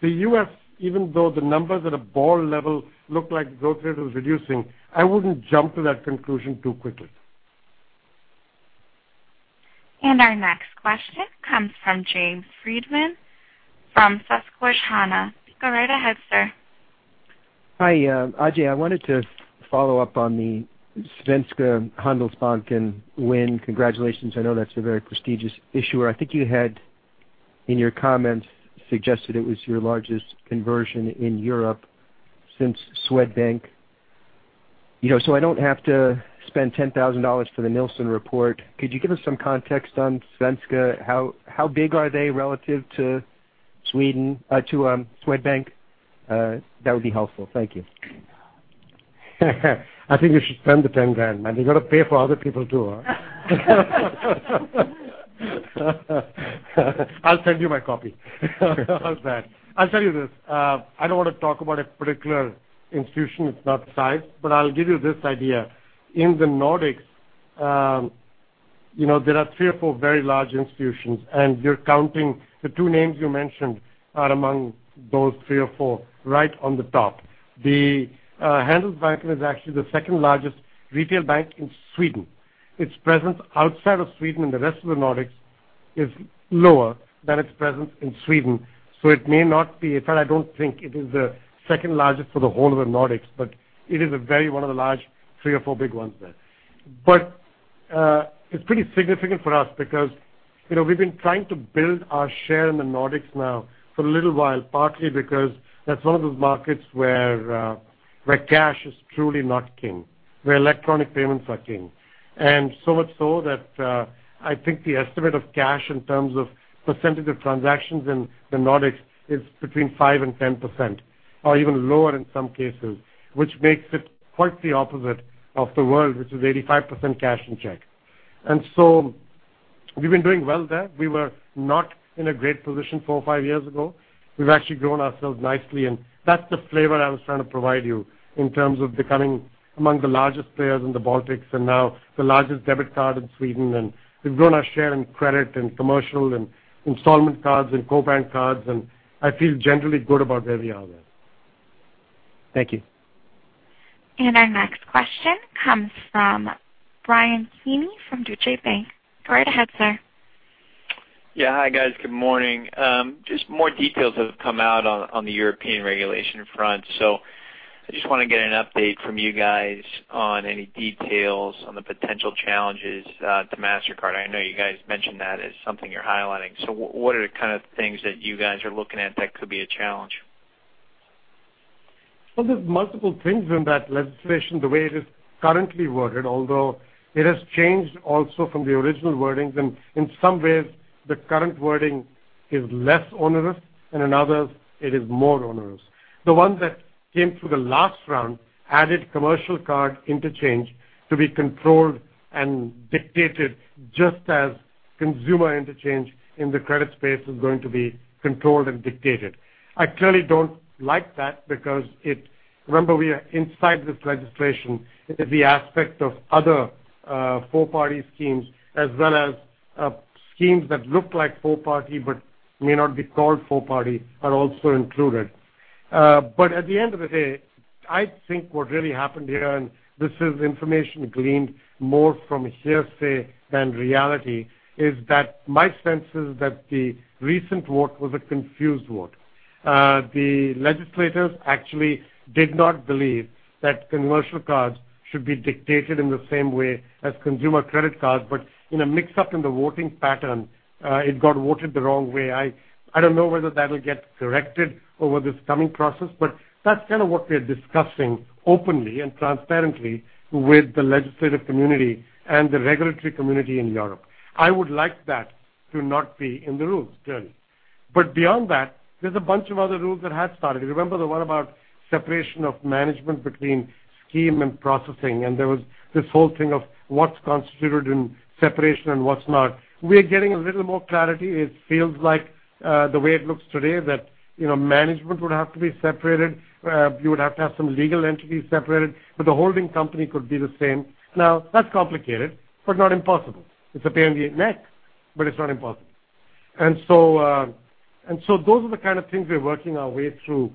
the U.S., even though the numbers at a broad level look like the growth rate was reducing, I wouldn't jump to that conclusion too quickly. Our next question comes from James Friedman from Susquehanna. Go right ahead, sir. Hi, Ajay. I wanted to follow up on the Svenska Handelsbanken win. Congratulations. I know that's a very prestigious issuer. I think you had, in your comments, suggested it was your largest conversion in Europe since Swedbank. I don't have to spend $10,000 for The Nilson Report. Could you give us some context on Svenska? How big are they relative to Swedbank? That would be helpful. Thank you. I think you should spend the $10,000. Man, you got to pay for other people too. I'll send you my copy. How's that? I'll tell you this. I don't want to talk about a particular institution. It's not the size, but I'll give you this idea. In the Nordics, there are three or four very large institutions, and you're counting the two names you mentioned are among those three or four, right on the top. The Handelsbanken is actually the second-largest retail bank in Sweden. Its presence outside of Sweden and the rest of the Nordics is lower than its presence in Sweden. It may not be, in fact, I don't think it is the second largest for the whole of the Nordics, but it is one of the large three or four big ones there. It's pretty significant for us because we've been trying to build our share in the Nordics now for a little while, partly because that's one of those markets where cash is truly not king, where electronic payments are king. So much so that I think the estimate of cash in terms of percentage of transactions in the Nordics is between 5%-10%, or even lower in some cases, which makes it quite the opposite of the world, which is 85% cash on check. So we've been doing well there. We were not in a great position four or five years ago. We've actually grown ourselves nicely, and that's the flavor I was trying to provide you in terms of becoming among the largest players in the Baltics and now the largest debit card in Sweden. We've grown our share in credit and commercial and installment cards and co-brand cards, and I feel generally good about where we are there. Thank you. Our next question comes from Bryan Sweeney from Deutsche Bank. Go right ahead, sir. Hi, guys. Good morning. More details have come out on the European regulation front. I want to get an update from you guys on any details on the potential challenges to Mastercard. I know you guys mentioned that as something you're highlighting. What are the kind of things that you guys are looking at that could be a challenge? There's multiple things in that legislation the way it is currently worded, although it has changed also from the original wording. In some ways, the current wording is less onerous, and in others, it is more onerous. The ones that came through the last round added commercial card interchange to be controlled and dictated just as consumer interchange in the credit space is going to be controlled and dictated. I clearly don't like that because remember we are inside this legislation. The aspect of other four-party schemes as well as schemes that look like four-party but may not be called four-party are also included. At the end of the day, I think what really happened here, and this is information gleaned more from hearsay than reality, is that my sense is that the recent vote was a confused vote. The legislators actually did not believe that commercial cards should be dictated in the same way as consumer credit cards, in a mix-up in the voting pattern, it got voted the wrong way. I don't know whether that'll get corrected over this coming process, that's kind of what we're discussing openly and transparently with the legislative community and the regulatory community in Europe. I would like that to not be in the rules, clearly. Beyond that, there's a bunch of other rules that have started. Remember the one about separation of management between scheme and processing, there was this whole thing of what's constituted in separation and what's not. We're getting a little more clarity. It feels like the way it looks today that management would have to be separated, you would have to have some legal entities separated, the holding company could be the same. That's complicated not impossible. It's a pain in the neck, it's not impossible. Those are the kind of things we're working our way through.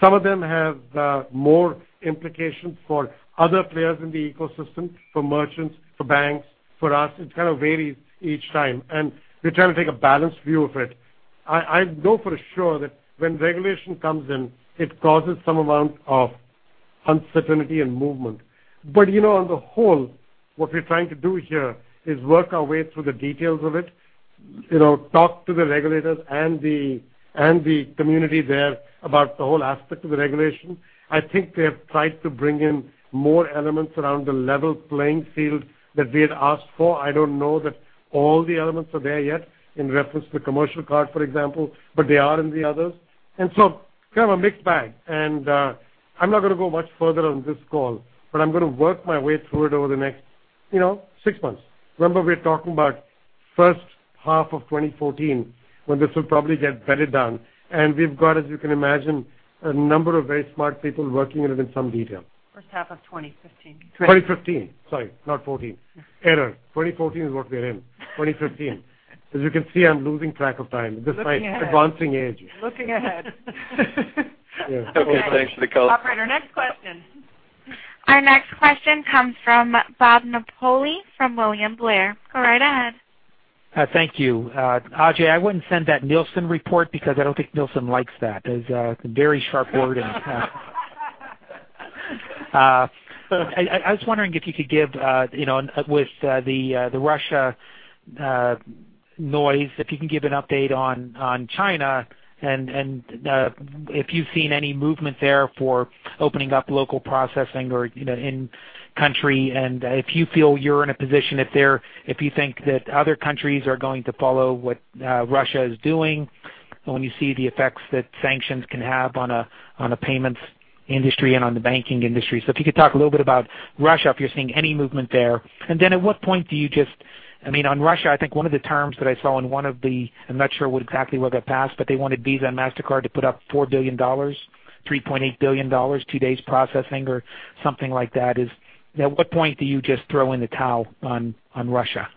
Some of them have more implications for other players in the ecosystem, for merchants, for banks, for us. It kind of varies each time, we're trying to take a balanced view of it. I know for sure that when regulation comes in, it causes some amount of uncertainty and movement. On the whole, what we're trying to do here is work our way through the details of it, talk to the regulators and the community there about the whole aspect of the regulation. I think they have tried to bring in more elements around the level playing field that we had asked for. I don't know that all the elements are there yet in reference to commercial card, for example, but they are in the others. So kind of a mixed bag. I'm not going to go much further on this call, but I'm going to work my way through it over the next six months. Remember, we're talking about first half of 2014 when this will probably get bedded down, and we've got, as you can imagine, a number of very smart people working it in some detail. First half of 2015. 2015, sorry, not 2014. Error. 2014 is what we're in. 2015. As you can see, I'm losing track of time despite advancing age. Looking ahead. Yeah. Okay, thanks for the call. Operator, next question. Our next question comes from Robert Napoli from William Blair. Go right ahead. Thank you. Ajay, I wouldn't send that Nilson report because I don't think Nilson likes that. Those are very sharp wordings. I was wondering if you could give, with the Russia noise, if you can give an update on China and if you've seen any movement there for opening up local processing or in country, and if you feel you're in a position if you think that other countries are going to follow what Russia is doing when you see the effects that sanctions can have on a payments industry and on the banking industry. If you could talk a little bit about Russia, if you're seeing any movement there. On Russia, I think one of the terms that I saw in one of the, I'm not sure exactly what got passed, but they wanted Visa and Mastercard to put up $4 billion, $3.8 billion, two days processing or something like that. At what point do you just throw in the towel on Russia?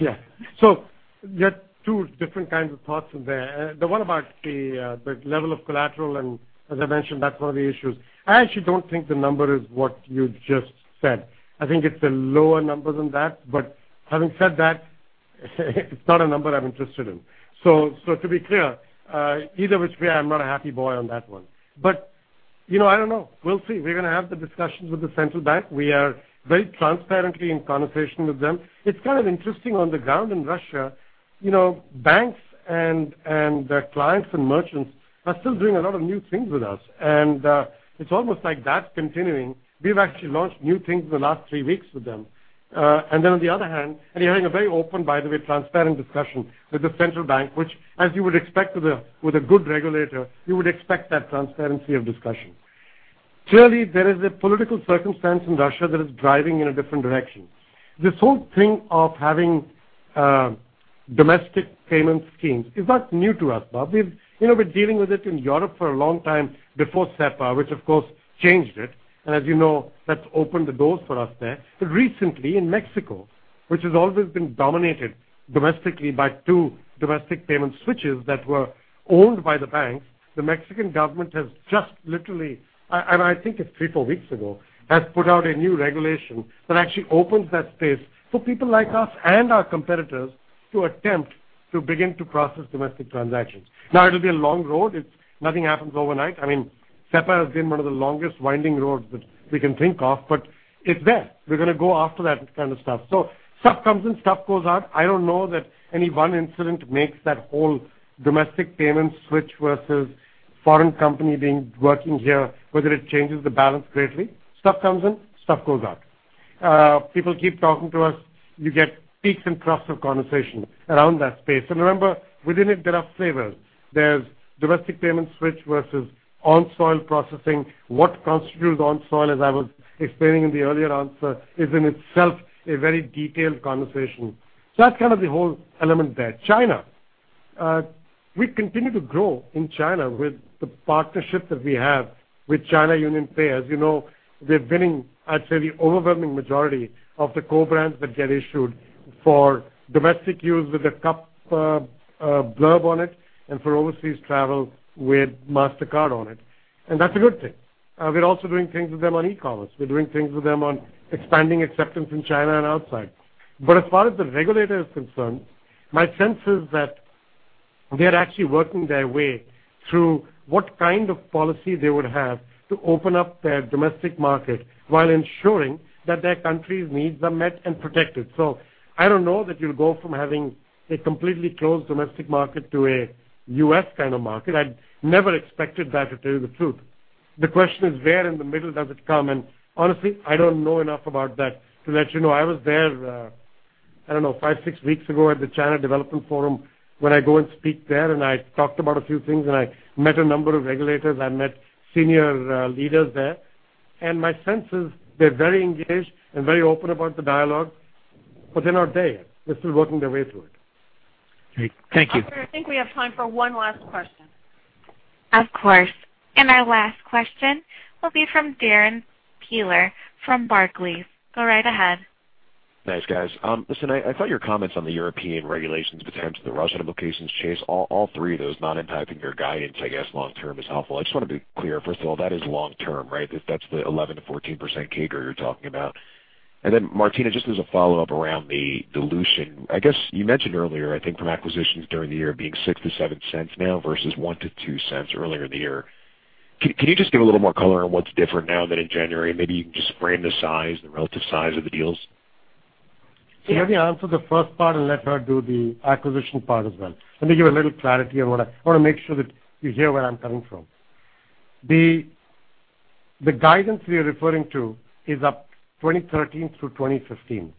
Yeah. There are two different kinds of thoughts in there. The one about the level of collateral, as I mentioned, that's one of the issues. I actually don't think the number is what you just said. I think it's a lower number than that. Having said that. It's not a number I'm interested in. To be clear, either which way, I'm not a happy boy on that one. I don't know. We'll see. We're going to have the discussions with the Central Bank. We are very transparently in conversation with them. It's kind of interesting on the ground in Russia; banks and their clients and merchants are still doing a lot of new things with us. It's almost like that's continuing. We've actually launched new things in the last three weeks with them. On the other hand, you're having a very open, by the way, transparent discussion with the Central Bank, which as you would expect with a good regulator, you would expect that transparency of discussion. Clearly, there is a political circumstance in Russia that is driving in a different direction. This whole thing of having domestic payment schemes is not new to us, Bob. We've been dealing with it in Europe for a long time before SEPA, which of course changed it. As you know, that's opened the doors for us there. Recently, in Mexico, which has always been dominated domestically by two domestic payment switches that were owned by the banks, the Mexican government has just literally, I think it's three, four weeks ago, has put out a new regulation that actually opens that space for people like us and our competitors to attempt to begin to process domestic transactions. It'll be a long road. Nothing happens overnight. SEPA has been one of the longest winding roads that we can think of, it's there. We're going to go after that kind of stuff. Stuff comes in, stuff goes out. I don't know that any one incident makes that whole domestic payment switch versus foreign company working here, whether it changes the balance greatly. Stuff comes in, stuff goes out. People keep talking to us. You get peaks and troughs of conversation around that space. Remember, within it, there are flavors. There's domestic payment switch versus on-soil processing. What constitutes on-soil, as I was explaining in the earlier answer, is in itself a very detailed conversation. That's kind of the whole element there. China. We continue to grow in China with the partnership that we have with China UnionPay. As you know, we're winning, I'd say, the overwhelming majority of the co-brands that get issued for domestic use with a CUP blurb on it and for overseas travel with Mastercard on it. That's a good thing. We're also doing things with them on e-commerce. We're doing things with them on expanding acceptance in China and outside. As far as the regulator is concerned, my sense is that they're actually working their way through what kind of policy they would have to open up their domestic market while ensuring that their country's needs are met and protected. I don't know that you'll go from having a completely closed domestic market to a U.S. kind of market. I never expected that, to tell you the truth. The question is where in the middle does it come? Honestly, I don't know enough about that to let you know. I was there, I don't know, five, six weeks ago at the China Development Forum when I go and speak there and I talked about a few things and I met a number of regulators. I met senior leaders there, my sense is they're very engaged and very open about the dialogue, but they're not there yet. They're still working their way through it. Great. Thank you. Operator, I think we have time for one last question. Of course. Our last question will be from Darrin Peller from Barclays. Go right ahead. Thanks, guys. Listen, I thought your comments on the European regulations potential, the Russia implications, Chase, all three of those not impacting your guidance, I guess long-term is helpful. I just want to be clear, first of all, that is long-term, right? That's the 11%-14% CAGR you're talking about. Then Martina, just as a follow-up around the dilution. I guess you mentioned earlier, I think from acquisitions during the year being $0.06-$0.07 now versus $0.01-$0.02 earlier in the year. Can you just give a little more color on what's different now than in January? Maybe you can just frame the size and relative size of the deals. Let me answer the first part and let her do the acquisition part as well. Let me give a little clarity on I want to make sure that you hear where I'm coming from. The guidance we are referring to is up 2013 through 2015.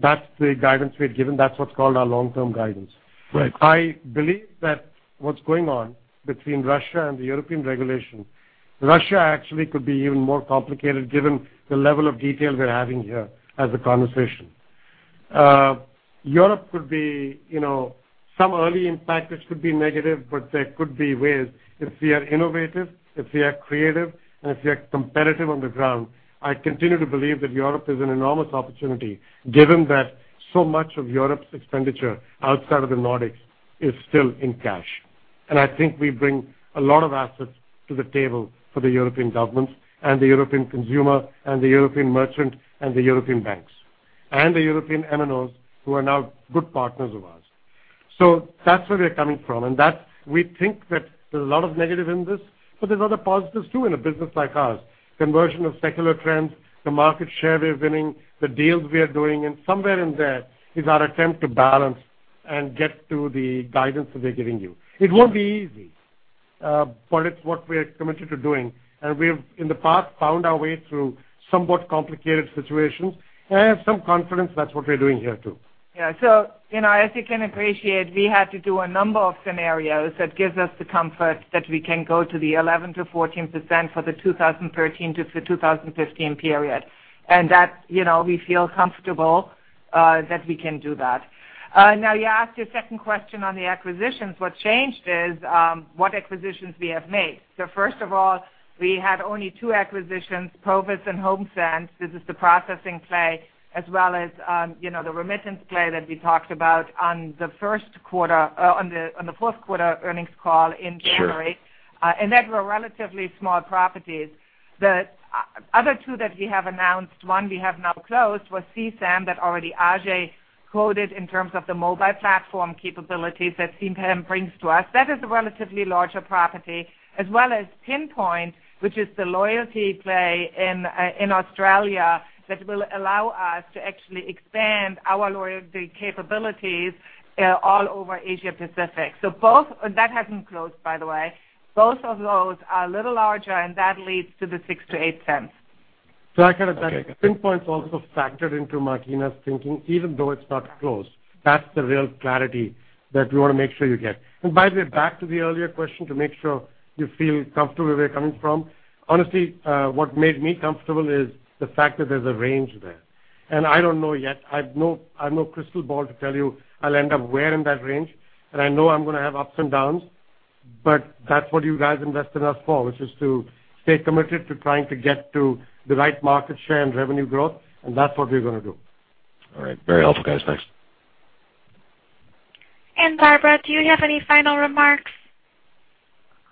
That's the guidance we had given. That's what's called our long-term guidance. Right. I believe that what's going on between Russia and the European regulation, Russia actually could be even more complicated given the level of detail we're having here as a conversation. Europe could be some early impact, which could be negative, but there could be ways if we are innovative, if we are creative, and if we are competitive on the ground. I continue to believe that Europe is an enormous opportunity given that so much of Europe's expenditure outside of the Nordics is still in cash. I think we bring a lot of assets to the table for the European governments and the European consumer and the European merchant and the European banks and the European MNOs who are now good partners of ours. That's where we're coming from, and we think that there's a lot of negative in this, but there's a lot of positives too in a business like ours. Conversion of secular trends, the market share we are winning, the deals we are doing, and somewhere in there is our attempt to balance and get to the guidance that we're giving you. It won't be easy, but it's what we're committed to doing. We've, in the past, found our way through somewhat complicated situations, and I have some confidence that's what we're doing here too. Yeah. As you can appreciate, we had to do a number of scenarios that gives us the comfort that we can go to the 11%-14% for the 2013-2015 period. That we feel comfortable that we can do that. You asked your second question on the acquisitions. What changed is what acquisitions we have made. First of all, we had only two acquisitions, Provus and HomeSend. This is the processing play as well as the remittance play that we talked about on the fourth quarter earnings call in January. Sure. That were relatively small properties. The other two that we have announced, one we have now closed, was C-SAM, that already Ajay quoted in terms of the mobile platform capabilities that C-SAM brings to us. That is a relatively larger property, as well as Pinpoint, which is the loyalty play in Australia that will allow us to actually expand our loyalty capabilities all over Asia Pacific. That hasn't closed, by the way. Both of those are a little larger, and that leads to the $0.06-$0.08. So I kind of- That's right. Pinpoint is also factored into Martina's thinking, even though it's not closed. That's the real clarity that we want to make sure you get. By the way, back to the earlier question, to make sure you feel comfortable where we're coming from. Honestly, what made me comfortable is the fact that there's a range there. I don't know yet. I've no crystal ball to tell you I'll end up where in that range, and I know I'm going to have ups and downs. That's what you guys invest in us for, which is to stay committed to trying to get to the right market share and revenue growth, and that's what we're going to do. All right. Very helpful, guys. Thanks. Barbara, do you have any final remarks?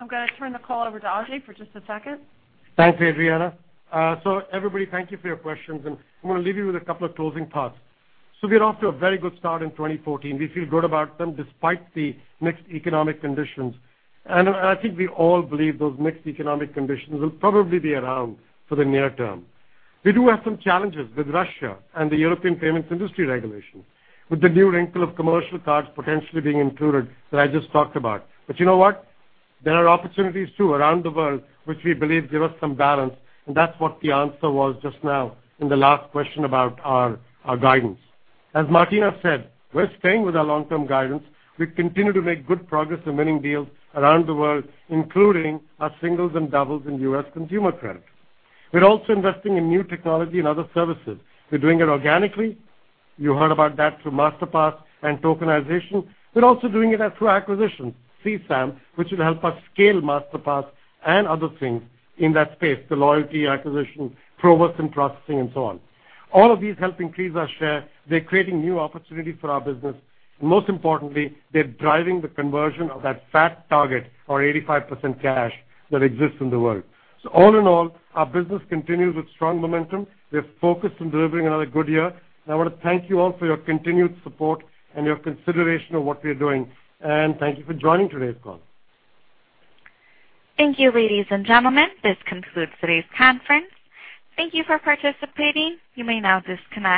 I'm going to turn the call over to Ajay for just a second. Thanks, Adriana. Everybody, thank you for your questions, and I'm going to leave you with a couple of closing thoughts. We're off to a very good start in 2014. We feel good about them despite the mixed economic conditions. I think we all believe those mixed economic conditions will probably be around for the near term. We do have some challenges with Russia and the European payments industry regulation, with the new wrinkle of commercial cards potentially being included that I just talked about. You know what. There are opportunities too around the world which we believe give us some balance, and that's what the answer was just now in the last question about our guidance. As Martina said, we're staying with our long-term guidance. We continue to make good progress in winning deals around the world, including our singles and doubles in U.S. consumer credit. We're also investing in new technology and other services. We're doing it organically. You heard about that through Masterpass and tokenization. We're also doing it through acquisitions, C-SAM, which will help us scale Masterpass and other things in that space, the loyalty acquisition, Provus and processing, and so on. All of these help increase our share. They're creating new opportunities for our business. Most importantly, they're driving the conversion of that fat target for 85% cash that exists in the world. All in all, our business continues with strong momentum. We are focused on delivering another good year. I want to thank you all for your continued support and your consideration of what we are doing. Thank you for joining today's call. Thank you, ladies and gentlemen. This concludes today's conference. Thank you for participating. You may now disconnect.